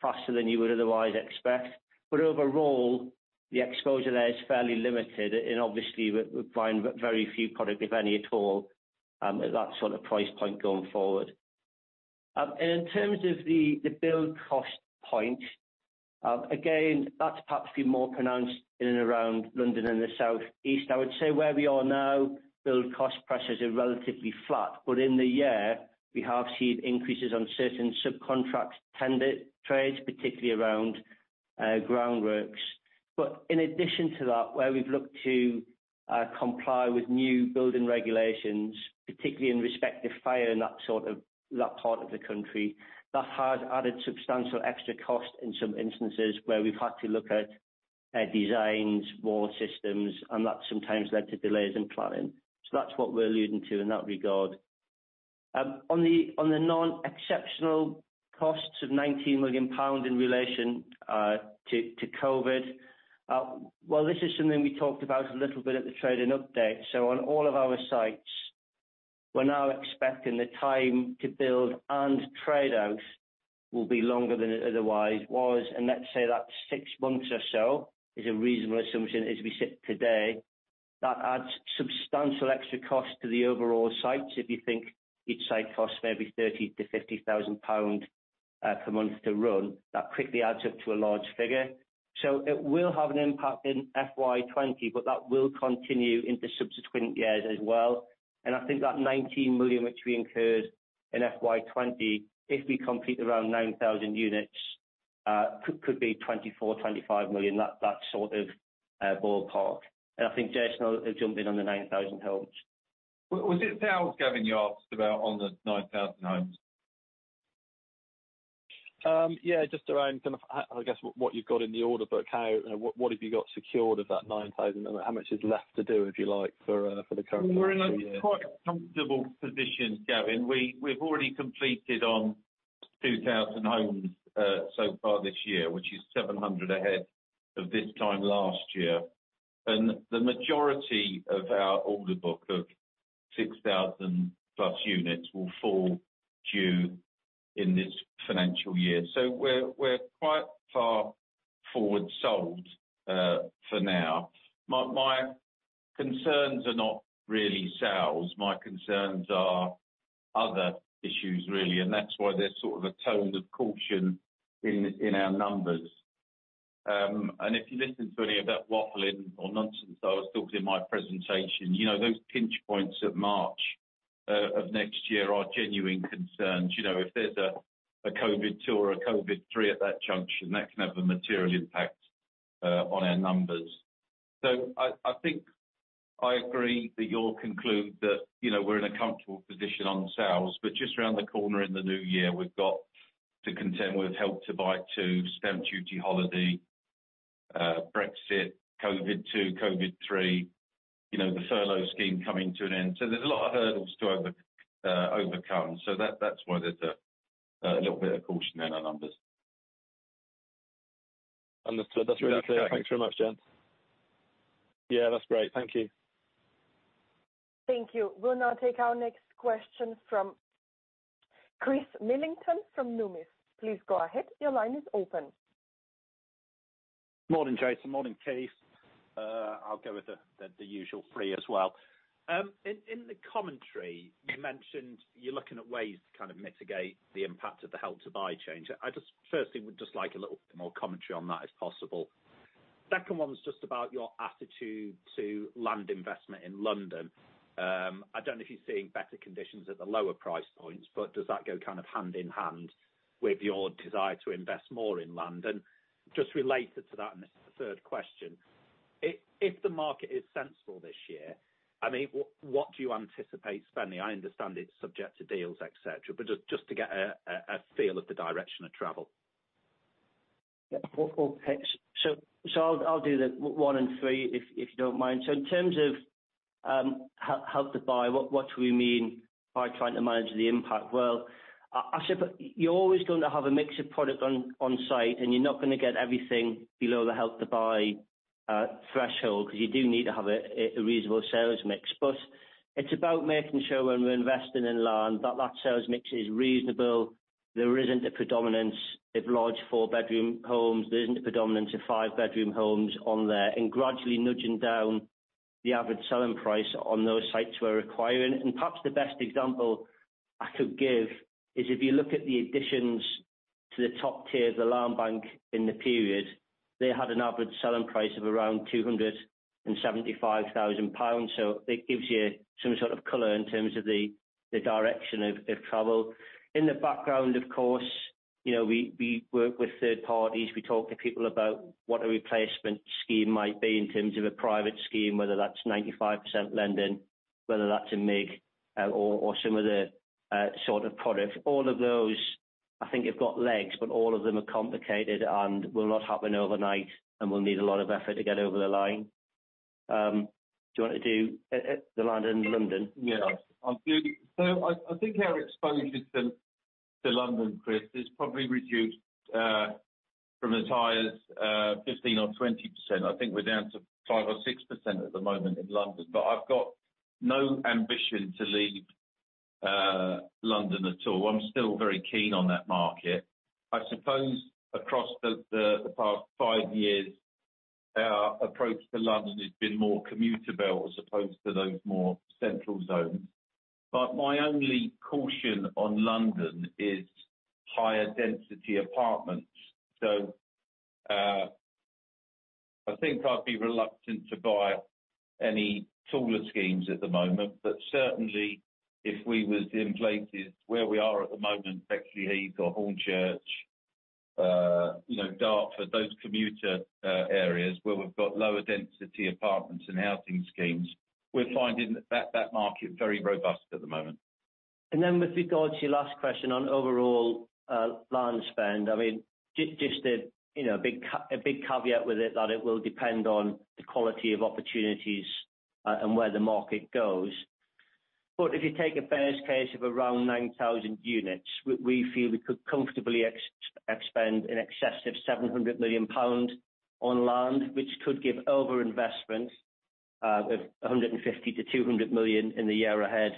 faster than you would otherwise expect. Overall, the exposure there is fairly limited. Obviously, we find very few product, if any at all, at that sort of price point going forward. In terms of the build cost point, again, that's perhaps been more pronounced in and around London and the South East. I would say where we are now, build cost pressures are relatively flat. In the year, we have seen increases on certain subcontracts tender trades, particularly around groundworks. In addition to that, where we've looked to comply with new building regulations, particularly in respect of fire in that part of the country, that has added substantial extra cost in some instances where we've had to look at designs, more systems, and that's sometimes led to delays in planning. That's what we're alluding to in that regard. On the non-exceptional costs of 19 million pounds in relation to COVID-19. Well, this is something we talked about a little bit at the trading update. On all of our sites, we're now expecting the time to build and trade out will be longer than it otherwise was, and let's say that six months or so is a reasonable assumption as we sit today. That adds substantial extra cost to the overall sites. If you think each site costs maybe 30,000-50,000 pounds per month to run, that quickly adds up to a large figure. It will have an impact in FY 2020, but that will continue into subsequent years as well. I think that 19 million which we incurred in FY 2020, if we complete around 9,000 units, could be 24 million, 25 million. That sort of ballpark. I think Jason will jump in on the 9,000 homes. Was it sales, Gavin, you asked about on the 9,000 homes? Yeah, just around kind of, I guess, what you've got in the order book. What have you got secured of that 9,000 and how much is left to do, if you like, for the current financial year? We're in a quite comfortable position, Gavin. We've already completed on 2,000 homes so far this year, which is 700 ahead of this time last year. The majority of our order book of 6,000+ units will fall due in this financial year. We're quite far forward sold for now. My concerns are not really sales. My concerns are other issues, really, and that's why there's sort of a tone of caution in our numbers. If you listen to any of that waffling or nonsense I was talking in my presentation, you know those pinch points at March of next year are genuine concerns. If there's a COVID-2 or a COVID-3 at that junction, that can have a material impact on our numbers. I think I agree that you'll conclude that we're in a comfortable position on sales. Just around the corner in the new year, we've got to contend with Help to Buy 2, stamp duty holiday, Brexit, COVID-2, COVID-3, the furlough scheme coming to an end. There's a lot of hurdles to overcome. That's why there's a little bit of caution in our numbers. Understood. That's really clear. Thanks very much, gents. Yeah, that's great. Thank you. Thank you. We'll now take our next question from Chris Millington from Numis. Please go ahead. Your line is open. Morning, Jason. Morning, Keith. I'll go with the usual three as well. In the commentary, you mentioned you're looking at ways to kind of mitigate the impact of the Help to Buy change. I just firstly would just like a little bit more commentary on that, if possible. Second one is just about your attitude to land investment in London. I don't know if you're seeing better conditions at the lower price points, but does that go kind of hand in hand with your desire to invest more in London? Just related to that, and this is the third question. If the market is sensible this year, what do you anticipate spending? I understand it's subject to deals, et cetera, but just to get a feel of the direction of travel. Okay. I'll do the one and three if you don't mind. In terms of Help to Buy, what do we mean by trying to manage the impact? Well, you're always going to have a mix of product on site, and you're not going to get everything below the Help to Buy threshold because you do need to have a reasonable sales mix. It's about making sure when we're investing in land that that sales mix is reasonable. There isn't a predominance of large four-bedroom homes. There isn't a predominance of five-bedroom homes on there, and gradually nudging down the Average Selling Price on those sites we're acquiring. Perhaps the best example I could give is if you look at the additions to the top tier of the land bank in the period. They had an Average Selling Price of around 275,000 pounds. It gives you some sort of color in terms of the direction of travel. In the background, of course, we work with third parties. We talk to people about what a replacement scheme might be in terms of a private scheme, whether that's 95% lending, whether that's a MIG or some other sort of product. All of those, I think have got legs, but all of them are complicated and will not happen overnight and will need a lot of effort to get over the line. Do you want to do the land in London? I'll do it. I think our exposure to London, Chris, is probably reduced from as high as 15% or 20%. I think we're down to five or 6% at the moment in London. I've got no ambition to leave London at all. I'm still very keen on that market. I suppose across the past five years, our approach to London has been more commuter belt as opposed to those more central zones. My only caution on London is higher density apartments. I think I'd be reluctant to buy any taller schemes at the moment. Certainly, if we were in places where we are at the moment, Bexleyheath or Hornchurch, Dartford, those commuter areas where we've got lower density apartments and housing schemes, we're finding that market very robust at the moment. With regard to your last question on overall land spend, just a big caveat with it that it will depend on the quality of opportunities and where the market goes. If you take a base case of around 9,000 units, we feel we could comfortably expend in excess of 700 million pounds on land, which could give over investment of 150 million-200 million in the year ahead,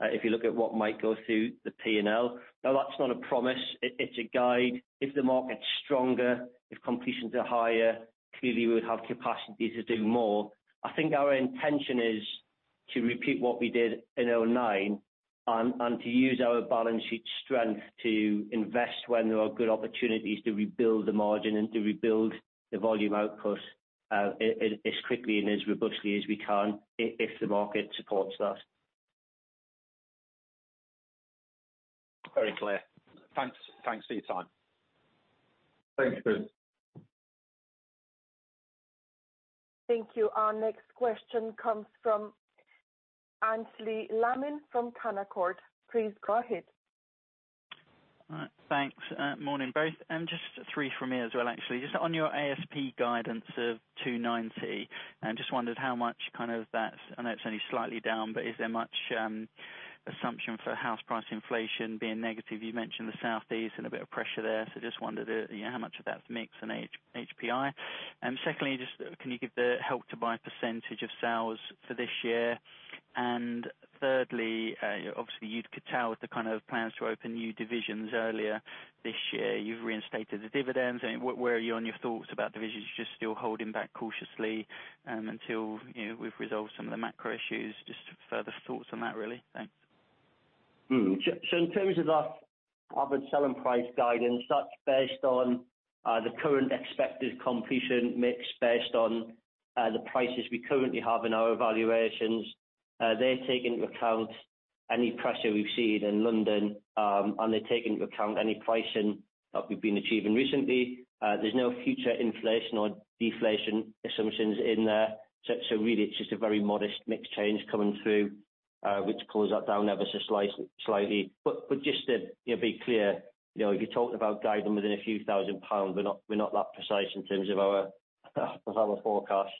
if you look at what might go through the P&L. Now, that's not a promise, it's a guide. If the market's stronger, if completions are higher, clearly we would have capacity to do more. I think our intention is to repeat what we did in 2009 and to use our balance sheet strength to invest when there are good opportunities to rebuild the margin and to rebuild the volume output as quickly and as robustly as we can if the market supports that. Very clear. Thanks for your time. Thanks, Chris. Thank you. Our next question comes from Aynsley Lammin from Canaccord. Please go ahead. All right, thanks. Morning, both. Just three from me as well, actually. Just on your ASP guidance of 290, I just wondered how much that I know it's only slightly down, but is there much assumption for house price inflation being negative? You mentioned the Southeast and a bit of pressure there. Just wondered how much of that's mix and HPI. Secondly, can you give the Help to Buy percent of sales for this year? Thirdly, obviously you could tell with the plans to open new divisions earlier this year. You've reinstated the dividends. Where are you on your thoughts about divisions? You're just still holding back cautiously until we've resolved some of the macro issues. Just further thoughts on that, really. Thanks. In terms of our Average Selling Price guidance, that's based on the current expected completion mix based on the prices we currently have in our evaluations. They take into account any pressure we've seen in London, and they take into account any pricing that we've been achieving recently. There's no future inflation or deflation assumptions in there. Really it's just a very modest mix change coming through, which pulls that down ever so slightly. Just to be clear, if you're talking about guidance within a few thousand GBP, we're not that precise in terms of our forecasts.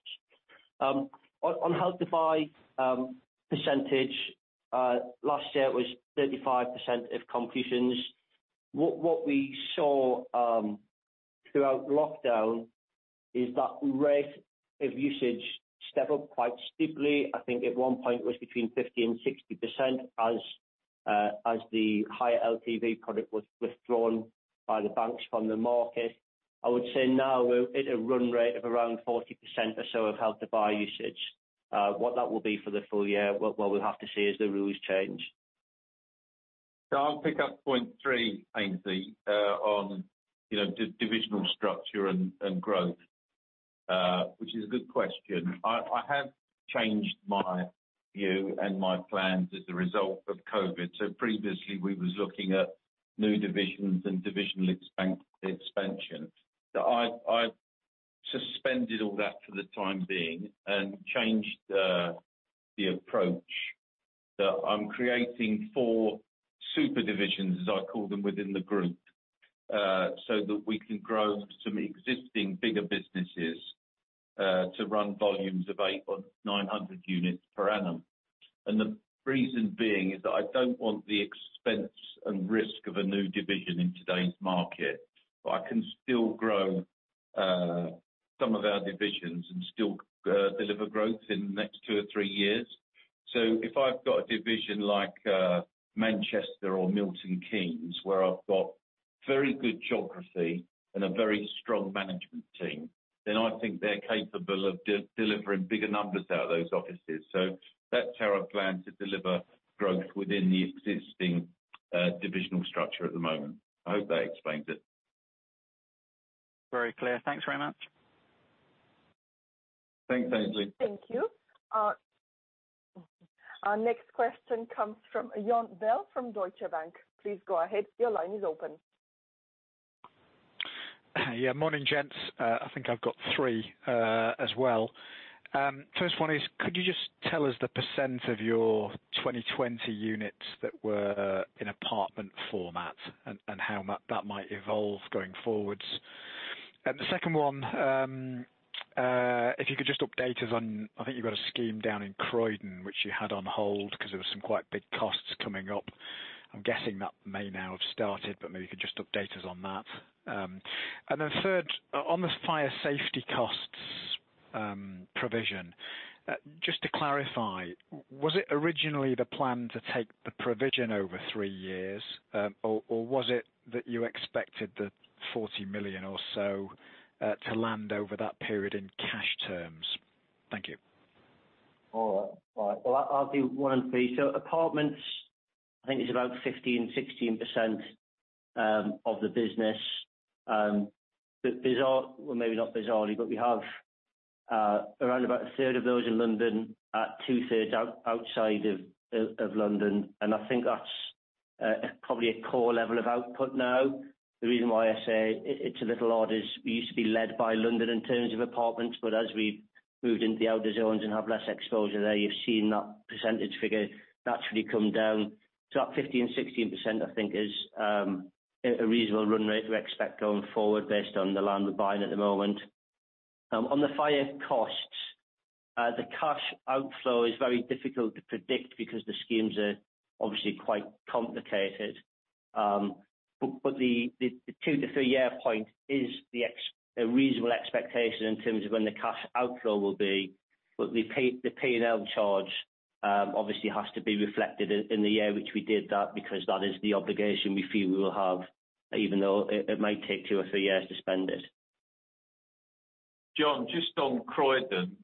On Help to Buy percentage, last year it was 35% of completions. What we saw throughout lockdown is that rate of usage stepped up quite steeply. I think at one point it was between 50% and 60% as the higher LTV product was withdrawn by the banks from the market. I would say now we're at a run rate of around 40% or so of Help to Buy usage. What that will be for the full year, well, we'll have to see as the rules change. I will pick up point three, Aynsley, on divisional structure and growth, which is a good question. I have changed my view and my plans as a result of COVID. Previously we were looking at new divisions and divisional expansion. I suspended all that for the time being and changed the approach that I am creating four super divisions, as I call them, within the group, so that we can grow some existing bigger businesses, to run volumes of 800 or 900 units per annum. The reason being is that I do not want the expense and risk of a new division in today's market. I can still grow some of our divisions and still deliver growth in the next two or three years. If I've got a division like Manchester or Milton Keynes, where I've got very good geography and a very strong management team, then I think they're capable of delivering bigger numbers out of those offices. That's how I plan to deliver growth within the existing divisional structure at the moment. I hope that explains it. Very clear. Thanks very much. Thanks, Aynsley. Thank you. Our next question comes from Jon Bell from Deutsche Bank. Please go ahead. Your line is open. Yeah. Morning, gents. I think I've got three as well. First one is, could you just tell us the percent of your 2020 units that were in apartment format and how that might evolve going forwards? The second one, if you could just update us on, I think you've got a scheme down in Croydon, which you had on hold because there were some quite big costs coming up. I'm guessing that may now have started. Maybe you could just update us on that. Third, on the fire safety costs provision. Just to clarify, was it originally the plan to take the provision over three years? Was it that you expected the 40 million or so to land over that period in cash terms? Thank you. All right. Well, I'll do one and three. Apartments, I think it's about 15%, 16% of the business. Well, maybe not bizarrely, but we have around about 1/3 of those in London, 2/3 outside of London. I think that's probably a core level of output now. The reason why I say it's a little odd is we used to be led by London in terms of apartments, but as we've moved into the outer zones and have less exposure there, you've seen that percentage figure naturally come down. That 15%, 16%, I think is a reasonable run rate we expect going forward based on the land we're buying at the moment. On the fire costs, the cash outflow is very difficult to predict because the schemes are obviously quite complicated. The two to three-year point is a reasonable expectation in terms of when the cash outflow will be. The P&L charge obviously has to be reflected in the year which we did that, because that is the obligation we feel we will have, even though it may take two or three years to spend it. Jon, just on Croydon.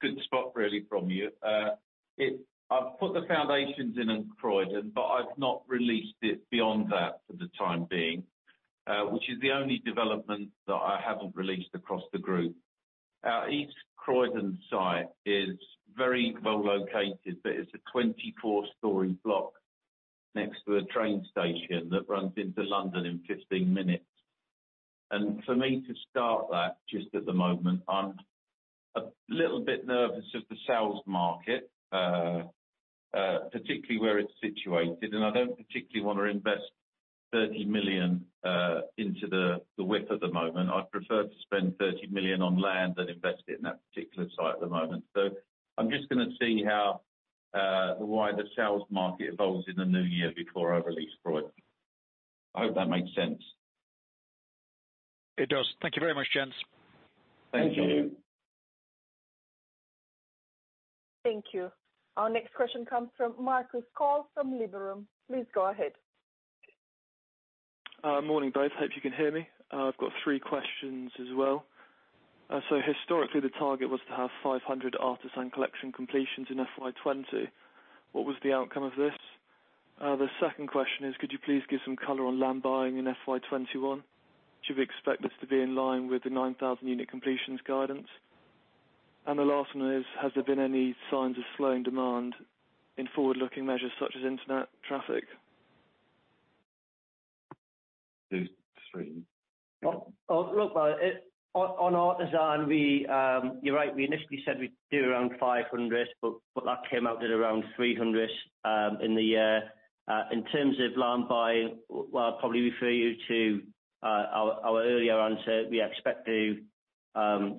Good spot really from you. I've put the foundations in in Croydon, but I've not released it beyond that for the time being. Which is the only development that I haven't released across the group. Our East Croydon site is very well located, but it's a 24-story block next to a train station that runs into London in 15 minutes. For me to start that just at the moment, I'm a little bit nervous of the sales market, particularly where it's situated, and I don't particularly want to invest 30 million into the WIP at the moment. I'd prefer to spend 30 million on land than invest it in that particular site at the moment. I'm just going to see how the wider sales market evolves in the new year before I release Croydon. I hope that makes sense. It does. Thank you very much, gents. Thank you. Thank you. Thank you. Our next question comes from Marcus Cole from Liberum. Please go ahead. Morning, both. Hope you can hear me. I've got three questions as well. Historically, the target was to have 500 Artisan Collection completions in FY 2020. What was the outcome of this? The second question is, could you please give some color on land buying in FY 2021? Should we expect this to be in line with the 9,000 unit completions guidance? The last one is, has there been any signs of slowing demand in forward-looking measures such as internet traffic? Two, three. On Artisan, you're right, we initially said we'd do around 500, but that came out at around 300 in the year. In terms of land buying, well, I'd probably refer you to our earlier answer. We expect to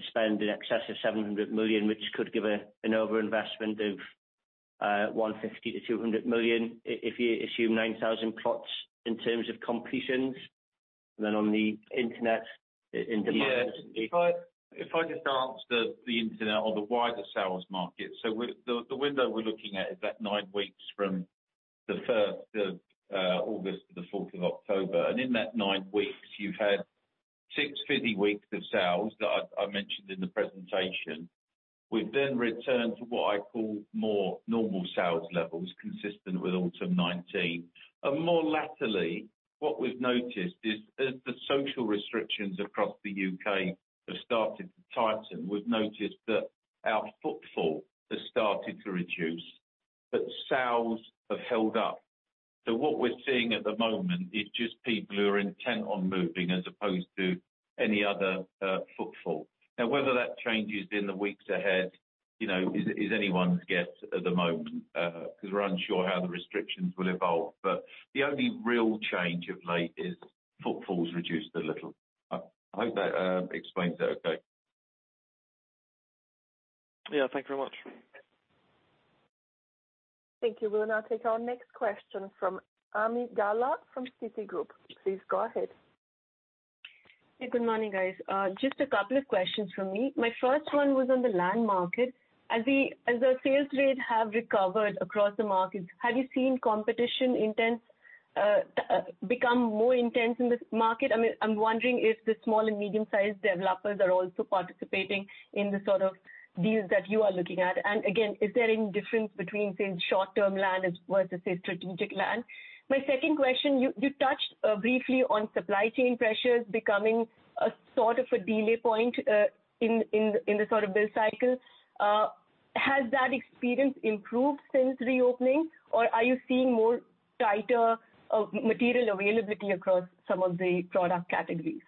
spend in excess of 700 million, which could give an over investment of 150 million-200 million if you assume 9,000 plots in terms of completions, then on the internet [in the first year]. Yeah. If I just answer the internet or the wider sales market. The window we're looking at is that nine weeks from the August 1st to the October 4th. In that nine week, you've had six busy weeks of sales that I mentioned in the presentation. We've returned to what I call more normal sales levels, consistent with autumn 2019. More latterly, what we've noticed is as the social restrictions across the U.K. have started to tighten, we've noticed that our footfall has started to reduce, but sales have held up. What we're seeing at the moment is just people who are intent on moving as opposed to any other footfall. Whether that changes in the weeks ahead is anyone's guess at the moment, because we're unsure how the restrictions will evolve. The only real change of late is footfall's reduced a little. I hope that explains it okay. Yeah. Thank you very much. Thank you. We'll now take our next question from Ami Galla from Citigroup. Please go ahead. Good morning, guys. Just a couple of questions from me. My first one was on the land market. As the sales rate have recovered across the markets, have you seen competition become more intense in this market? I'm wondering if the small and medium-sized developers are also participating in the sort of deals that you are looking at. Again, is there any difference between, say, short-term land as versus, say, strategic land? My second question, you touched briefly on supply chain pressures becoming a sort of a delay point in the sort of build cycle. Has that experience improved since reopening, or are you seeing more tighter material availability across some of the product categories?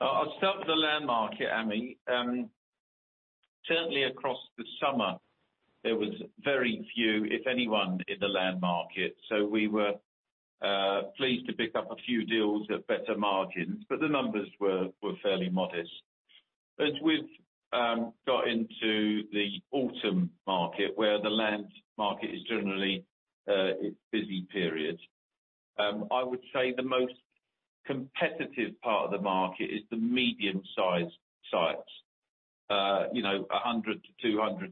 I'll start with the land market, Ami. Certainly across the summer, there was very few, if anyone, in the land market. We were pleased to pick up a few deals at better margins, but the numbers were fairly modest. As we've got into the autumn market, where the land market is generally its busy period, I would say the most competitive part of the market is the medium-sized sites. 100-200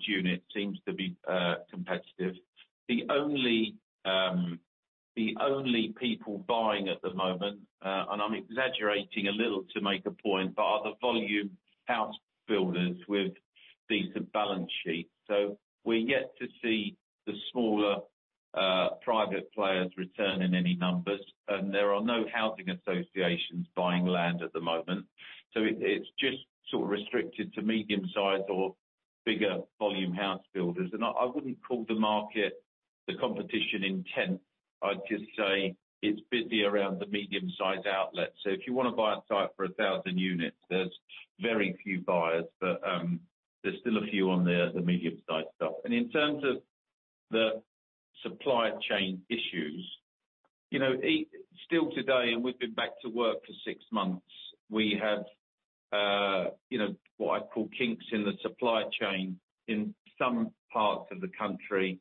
unit seems to be competitive. The only people buying at the moment, and I'm exaggerating a little to make a point, but are the volume housebuilders with decent balance sheets. We're yet to see the smaller private players return in any numbers, and there are no housing associations buying land at the moment. It's just sort of restricted to medium-sized or bigger volume housebuilders. I wouldn't call the market, the competition intense, I'd just say it's busy around the medium-size outlets. If you want to buy a site for 1,000 units, there's very few buyers. There's still a few on the medium-sized stuff. In terms of the supply chain issues, still today, and we've been back to work for six months, we have what I call kinks in the supply chain in some parts of the country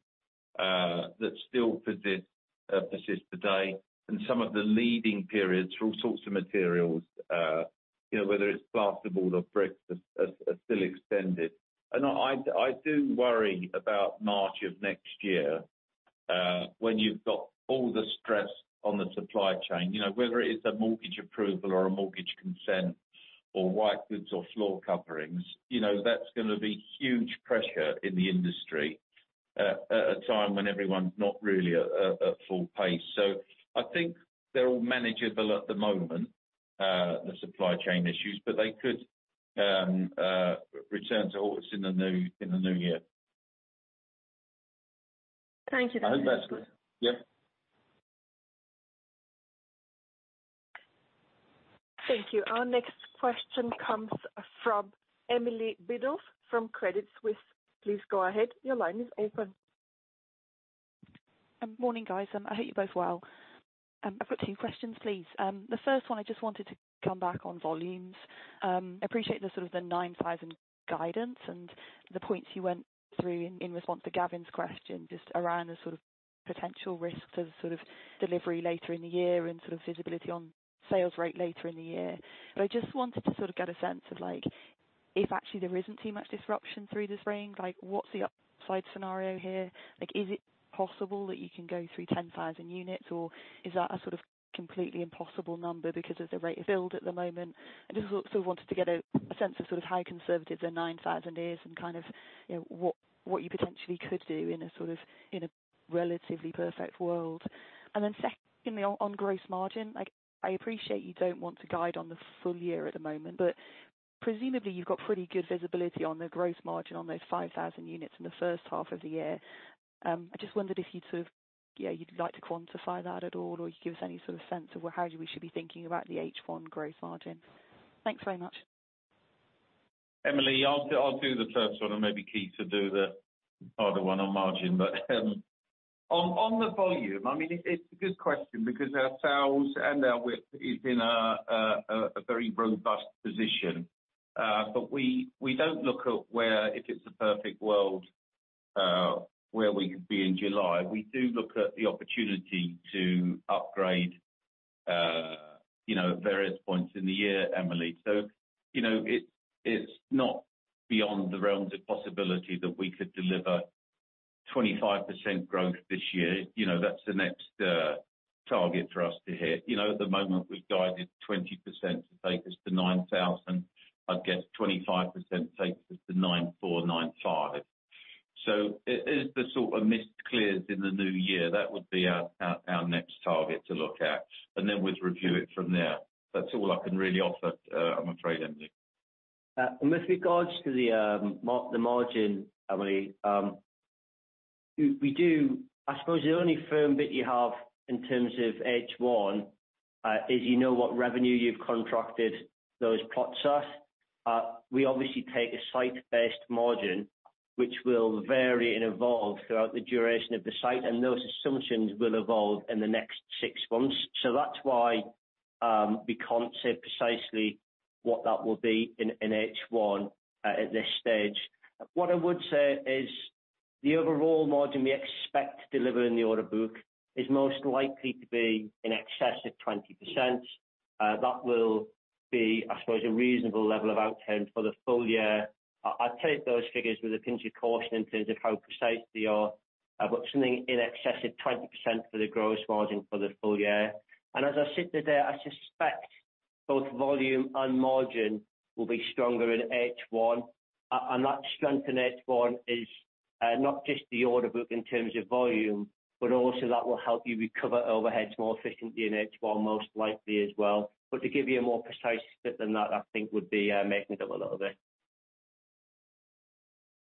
that still persist today, and some of the lead-in periods for all sorts of materials, whether it's plasterboard or bricks, are still extended. I do worry about March of next year, when you've got all the stress on the supply chain, whether it is a mortgage approval or a mortgage consent or white goods or floor coverings. That's going to be huge pressure in the industry at a time when everyone's not really at full pace. I think they're all manageable at the moment, the supply chain issues, but they could return to haunt us in the new year. Thank you. I hope that's clear. Yep. Thank you. Our next question comes from Emily Biddulph from Credit Suisse. Please go ahead. Your line is open. Morning, guys. I hope you're both well. I've got two questions, please. The first one, I just wanted to come back on volumes. Appreciate the sort of the 9,000 guidance and the points you went through in response to Gavin's question, just around the sort of potential risks of sort of delivery later in the year and sort of visibility on sales rate later in the year. I just wanted to sort of get a sense of if actually there isn't too much disruption through the spring, what's the upside scenario here? Is it possible that you can go through 10,000 units, or is that a sort of completely impossible number because of the rate of build at the moment? I just sort of wanted to get a sense of how conservative the 9,000 is and kind of what you potentially could do in a sort of relatively perfect world. Secondly, on gross margin, I appreciate you don't want to guide on the full year at the moment, but presumably you've got pretty good visibility on the gross margin on those 5,000 units in the first half of the year. I just wondered if you'd sort of, you'd like to quantify that at all, or you can give us any sort of sense of how we should be thinking about the H1 gross margin. Thanks very much. Emily, I'll do the first one and maybe Keith should do the other one on margin. On the volume, it's a good question because our sales and our WIP is in a very robust position. We don't look at where if it's a perfect world where we could be in July. We do look at the opportunity to upgrade at various points in the year, Emily. It's not beyond the realms of possibility that we could deliver 25% growth this year. That's the next target for us to hit. At the moment, we've guided 20% to take us to 9,000. I'd guess 25% takes us to 9,400, 9,500. As the sort of mist clears in the new year, that would be our next target to look at, and then we'd review it from there. That's all I can really offer, I'm afraid, Emily. With regards to the margin, Emily, I suppose the only firm bit you have in terms of H1 is you know what revenue you've contracted those plots at. We obviously take a site-based margin, which will vary and evolve throughout the duration of the site, and those assumptions will evolve in the next six months. That's why we can't say precisely what that will be in H1 at this stage. What I would say is the overall margin we expect to deliver in the order book is most likely to be in excess of 20%. That will be, I suppose, a reasonable level of outcome for the full year. I'd take those figures with a pinch of caution in terms of how precise they are, but something in excess of 20% for the gross margin for the full year. As I sit today, I suspect both volume and margin will be stronger in H1. That strength in H1 is not just the order book in terms of volume, but also that will help you recover overheads more efficiently in H1 most likely as well. To give you a more precise fit than that, I think would be making it up a little bit.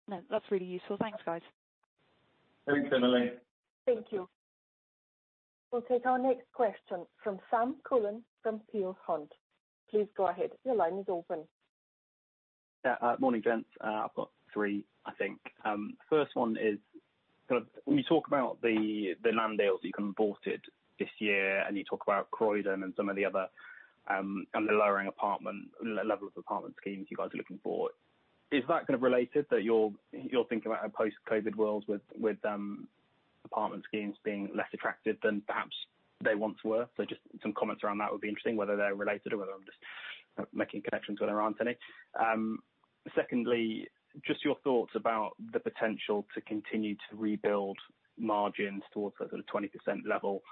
No, that's really useful. Thanks, guys. Thanks, Emily. Thank you. We'll take our next question from Sam Cullen from Peel Hunt. Please go ahead. Your line is open. Yeah. Morning, gents. I've got three, I think. First one is when you talk about the land deals that you converted this year, you talk about Croydon and some of the other, and the lowering level of apartment schemes you guys are looking for, is that kind of related that you're thinking about a post-COVID-19 world with apartment schemes being less attractive than perhaps they once were? Just some comments around that would be interesting, whether they're related or whether I'm just making connections where there aren't any. Secondly, just your thoughts about the potential to continue to rebuild margins towards the 20% level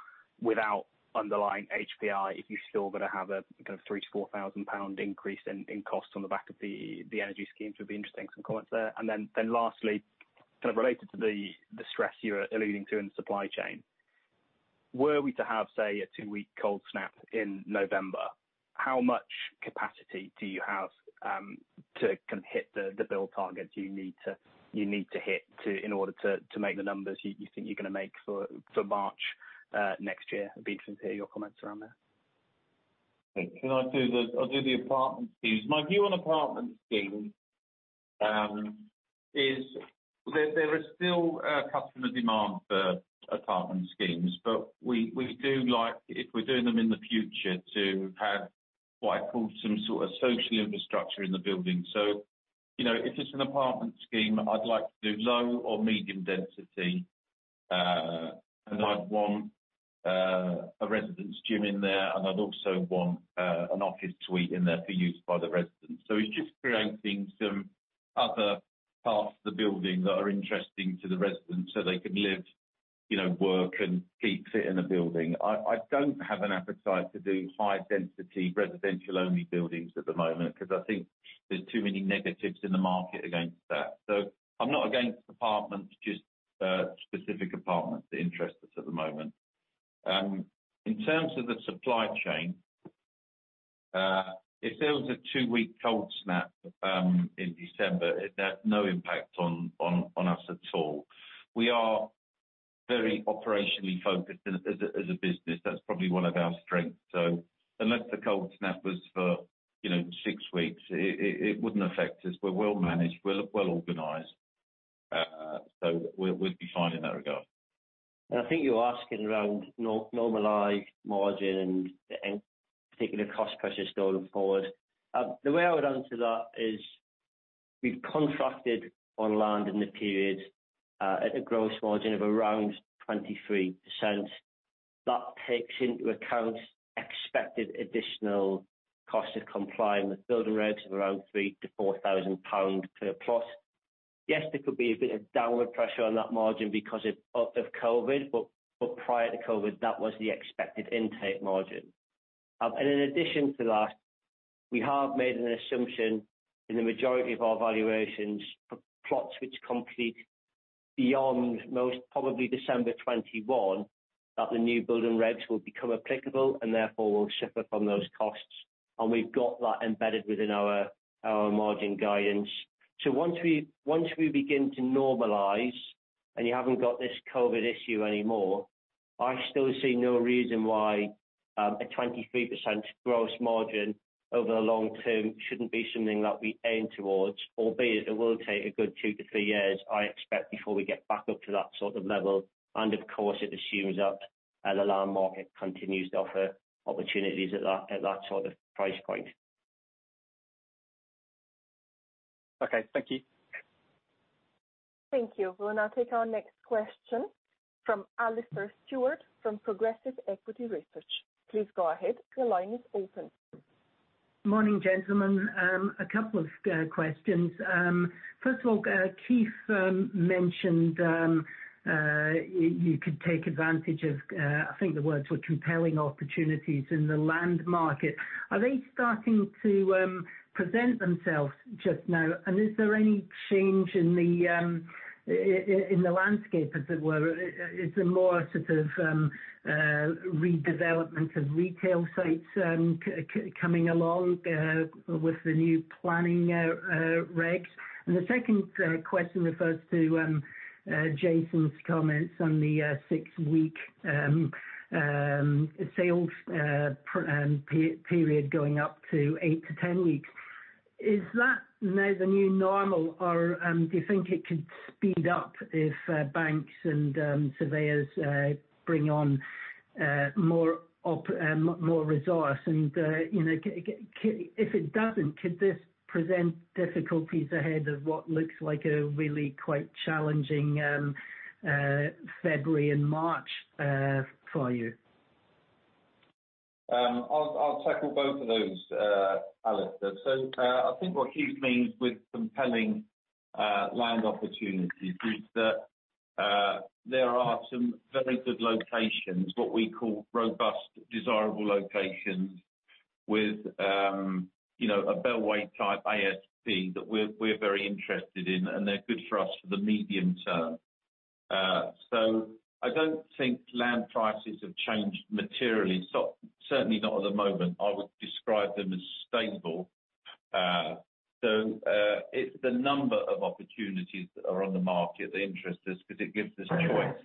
without underlying HPI if you're still going to have a kind of 3,000-4,000 pound increase in costs on the back of the energy schemes would be interesting, some comments there. Lastly, kind of related to the stress you're alluding to in the supply chain. Were we to have, say, a two-week cold snap in November, how much capacity do you have to hit the build targets you need to hit in order to make the numbers you think you're going to make for March next year? It'd be interesting to hear your comments around there. Thanks. I'll do the apartment schemes. My view on apartment schemes is there is still a customer demand for apartment schemes, but we do like, if we're doing them in the future, to have what I call some sort of social infrastructure in the building. If it's an apartment scheme, I'd like to do low or medium density, and I'd want a residents' gym in there, and I'd also want an office suite in there for use by the residents. It's just creating some other parts of the building that are interesting to the residents so they can live, work, and keep fit in the building. I don't have an appetite to do high-density residential-only buildings at the moment because I think there's too many negatives in the market against that. I'm not against apartments, just specific apartments that interest us at the moment. In terms of the supply chain, if there was a two-week cold snap in December, it'd have no impact on us at all. We are very operationally focused as a business. That's probably one of our strengths. Unless the cold snap was for six weeks, it wouldn't affect us. We're well managed, we're well organized, so we'd be fine in that regard. I think you're asking around normalized margin and any particular cost pressures going forward. The way I would answer that is we've contracted on land in the period at a gross margin of around 23%. That takes into account expected additional cost of complying with building regs of around 3,000-4,000 pounds per plot. Yes, there could be a bit of downward pressure on that margin because of COVID, but prior to COVID, that was the expected intake margin. In addition to that, we have made an assumption in the majority of our valuations for plots which complete beyond most probably December 2021 that the new building regs will become applicable and therefore will suffer from those costs. We've got that embedded within our margin guidance. Once we begin to normalize and you haven't got this COVID issue anymore, I still see no reason why a 23% gross margin over the long term shouldn't be something that we aim towards, albeit it will take a good two to three years, I expect, before we get back up to that sort of level. Of course, it assumes that the land market continues to offer opportunities at that sort of price point. Okay. Thank you. Thank you. We'll now take our next question from Alastair Stewart from Progressive Equity Research. Please go ahead. Morning, gentlemen. A couple of questions. First of all, Keith mentioned you could take advantage of, I think the words were compelling opportunities in the land market. Are they starting to present themselves just now, and is there any change in the landscape, as it were? Is there more sort of redevelopment of retail sites coming along with the new planning regs? The second question refers to Jason's comments on the six-week sales period going up to 8-10 weeks. Is that now the new normal, or do you think it could speed up if banks and surveyors bring on more resource? If it doesn't, could this present difficulties ahead of what looks like a really quite challenging February and March for you? I'll tackle both of those, Alastair. I think what Keith means with compelling land opportunities is that there are some very good locations, what we call robust, desirable locations with a Bellway type ASP that we're very interested in, and they're good for us for the medium term. I don't think land prices have changed materially, certainly not at the moment. I would describe them as stable. It's the number of opportunities that are on the market that interest us because it gives us choice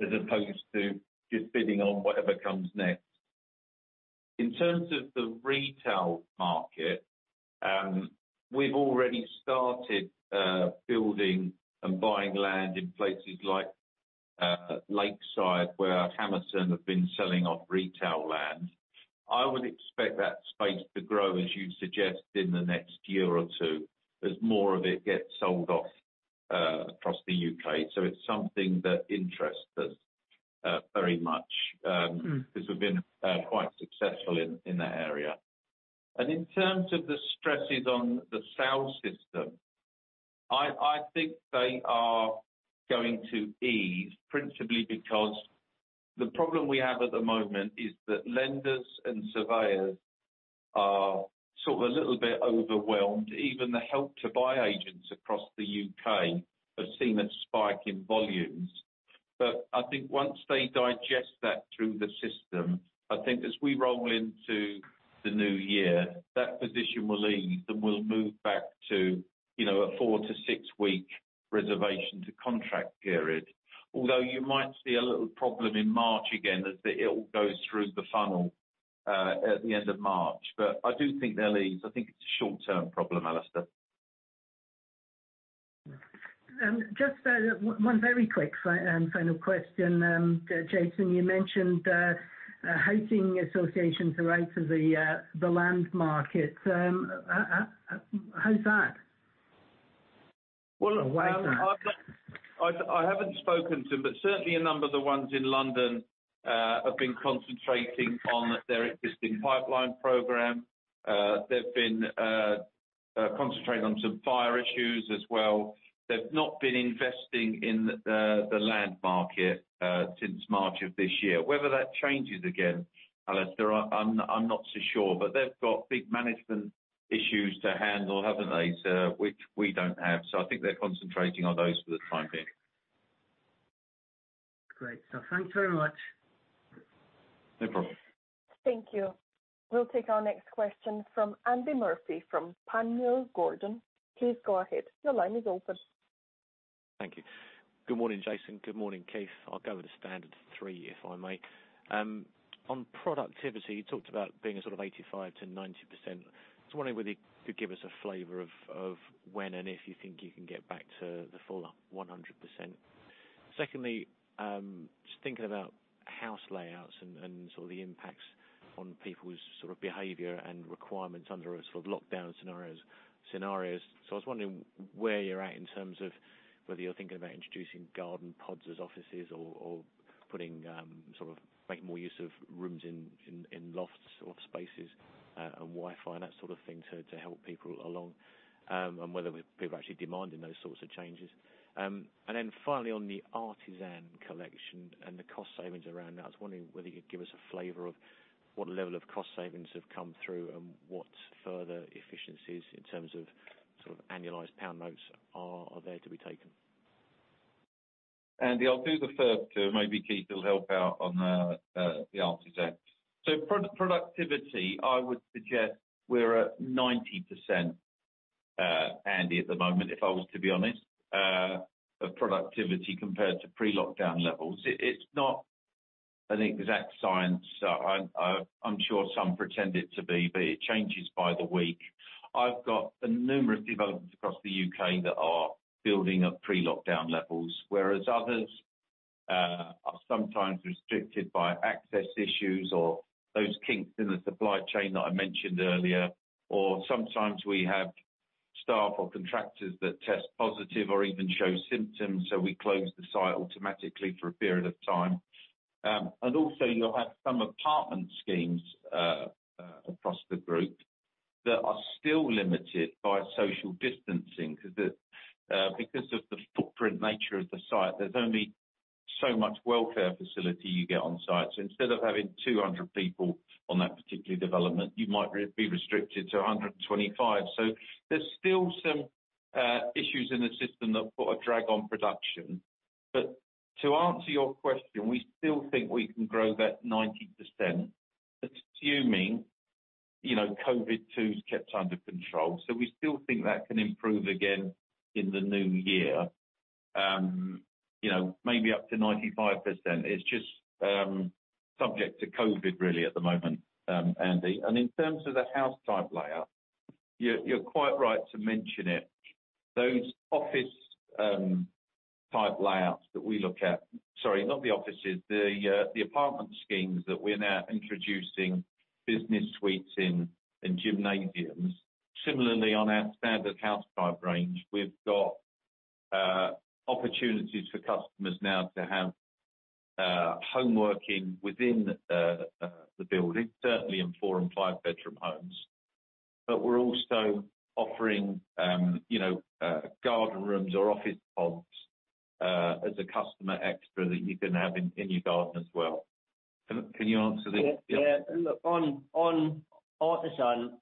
as opposed to just bidding on whatever comes next. In terms of the retail market, we've already started building and buying land in places like Lakeside, where Hammerson have been selling off retail land. I would expect that space to grow, as you suggest, in the next year or two as more of it gets sold off across the U.K. It's something that interests us very much because we've been quite successful in that area. In terms of the stresses on the sales system, I think they are going to ease principally because the problem we have at the moment is that lenders and surveyors are sort of a little bit overwhelmed. Even the Help to Buy agents across the U.K. have seen a spike in volumes. I think once they digest that through the system, I think as we roll into the new year, that position will ease, and we'll move back to a four to six week reservation to contract period. Although you might see a little problem in March again, as it all goes through the funnel at the end of March. I do think they'll ease. I think it's a short-term problem, Alastair. Just one very quick final question. Jason, you mentioned housing associations are out of the land market. How is that? Well- Why is that? I haven't spoken to them, certainly a number of the ones in London have been concentrating on their existing pipeline program. They've been concentrating on some fire issues as well. They've not been investing in the land market since March of this year. Whether that changes again, Alastair, I'm not so sure. They've got big management issues to handle, haven't they? Which we don't have. I think they're concentrating on those for the time being. Great. Thanks very much. No problem. Thank you. We'll take our next question from Andy Murphy from Panmure Gordon. Please go ahead. Thank you. Good morning, Jason. Good morning, Keith. I'll go with the standard three, if I may. On productivity, you talked about being sort of 85%-90%. I was wondering whether you could give us a flavor of when and if you think you can get back to the full 100%. Secondly, just thinking about house layouts and sort of the impacts on people's sort of behavior and requirements under a sort of lockdown scenarios. I was wondering where you're at in terms of whether you're thinking about introducing garden pods as offices or putting, sort of make more use of rooms in lofts or spaces and Wi-Fi and that sort of thing to help people along. Whether people are actually demanding those sorts of changes. Finally, on the Artisan Collection and the cost savings around that, I was wondering whether you could give us a flavor of what level of cost savings have come through and what further efficiencies in terms of sort of annualized pound notes are there to be taken. Andy, I'll do the first two. Maybe Keith will help out on the Artisan. Productivity, I would suggest we're at 90%, Andy, at the moment if I was to be honest, of productivity compared to pre-lockdown levels. It's not an exact science. I'm sure some pretend it to be, but it changes by the week. I've got numerous developments across the U.K. that are building at pre-lockdown levels, whereas others are sometimes restricted by access issues or those kinks in the supply chain that I mentioned earlier. Sometimes we have staff or contractors that test positive or even show symptoms, so we close the site automatically for a period of time. Also you'll have some apartment schemes across the group that are still limited by social distancing because of the footprint nature of the site. There's only so much welfare facility you get on site. Instead of having 200 people on that particular development, you might be restricted to 125. There's still some issues in the system that put a drag on production. To answer your question, we still think we can grow that 90%, assuming COVID too is kept under control. We still think that can improve again in the new year. Maybe up to 95%. It's just subject to COVID really at the moment, Andy. In terms of the house type layout, you're quite right to mention it. Those office type layouts that we're now introducing business suites and gymnasiums. Similarly, on our standard house type range, we've got opportunities for customers now to have home working within the building, certainly in four and five-bedroom homes. We're also offering garden rooms or office pods as a customer extra that you can have in your garden as well. Can you answer this? Yeah. Look, on Artisan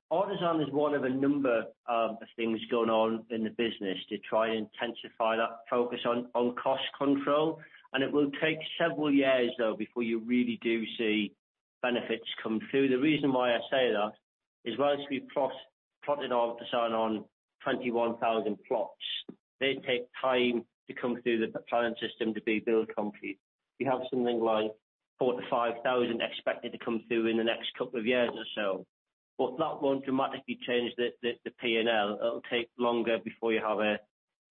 is one of a number of things going on in the business to try and intensify that focus on cost control. It will take several years, though, before you really do see benefits come through. The reason why I say that is whilst we've plotted Artisan on 21,000 plots, they take time to come through the planning system to be build complete. We have something like 4,000-5,000 expected to come through in the next couple of years or so. That won't dramatically change the P&L. It'll take longer before you have a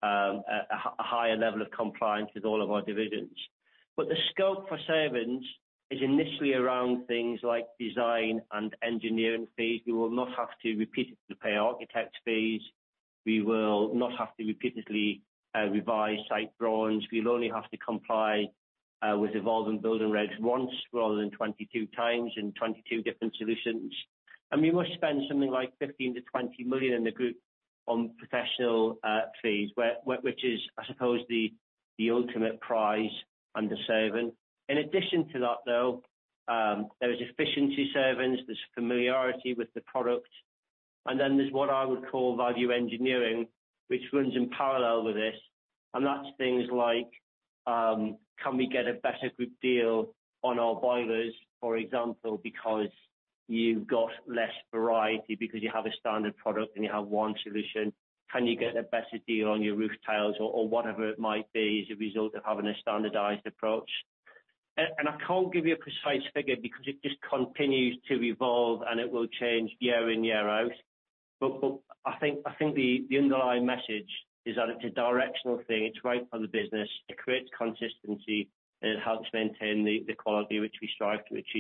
higher level of compliance with all of our divisions. The scope for savings is initially around things like design and engineering fees. We will not have to repeatedly pay architects fees. We will not have to repeatedly revise site drawings. We'll only have to comply with evolving building regs once rather than 22x and 22 different solutions. We must spend something like 15 million-20 million in the group on professional fees, which is, I suppose, the ultimate prize and the saving. In addition to that, though, there is efficiency savings, there's familiarity with the product, and then there's what I would call value engineering, which runs in parallel with this, and that's things like, can we get a better group deal on our boilers, for example, because you've got less variety because you have a standard product and you have one solution? Can you get a better deal on your roof tiles or whatever it might be as a result of having a standardized approach? I can't give you a precise figure because it just continues to evolve, and it will change year in, year out. I think the underlying message is that it's a directional thing. It's right for the business. It creates consistency, and it helps maintain the quality which we strive to achieve.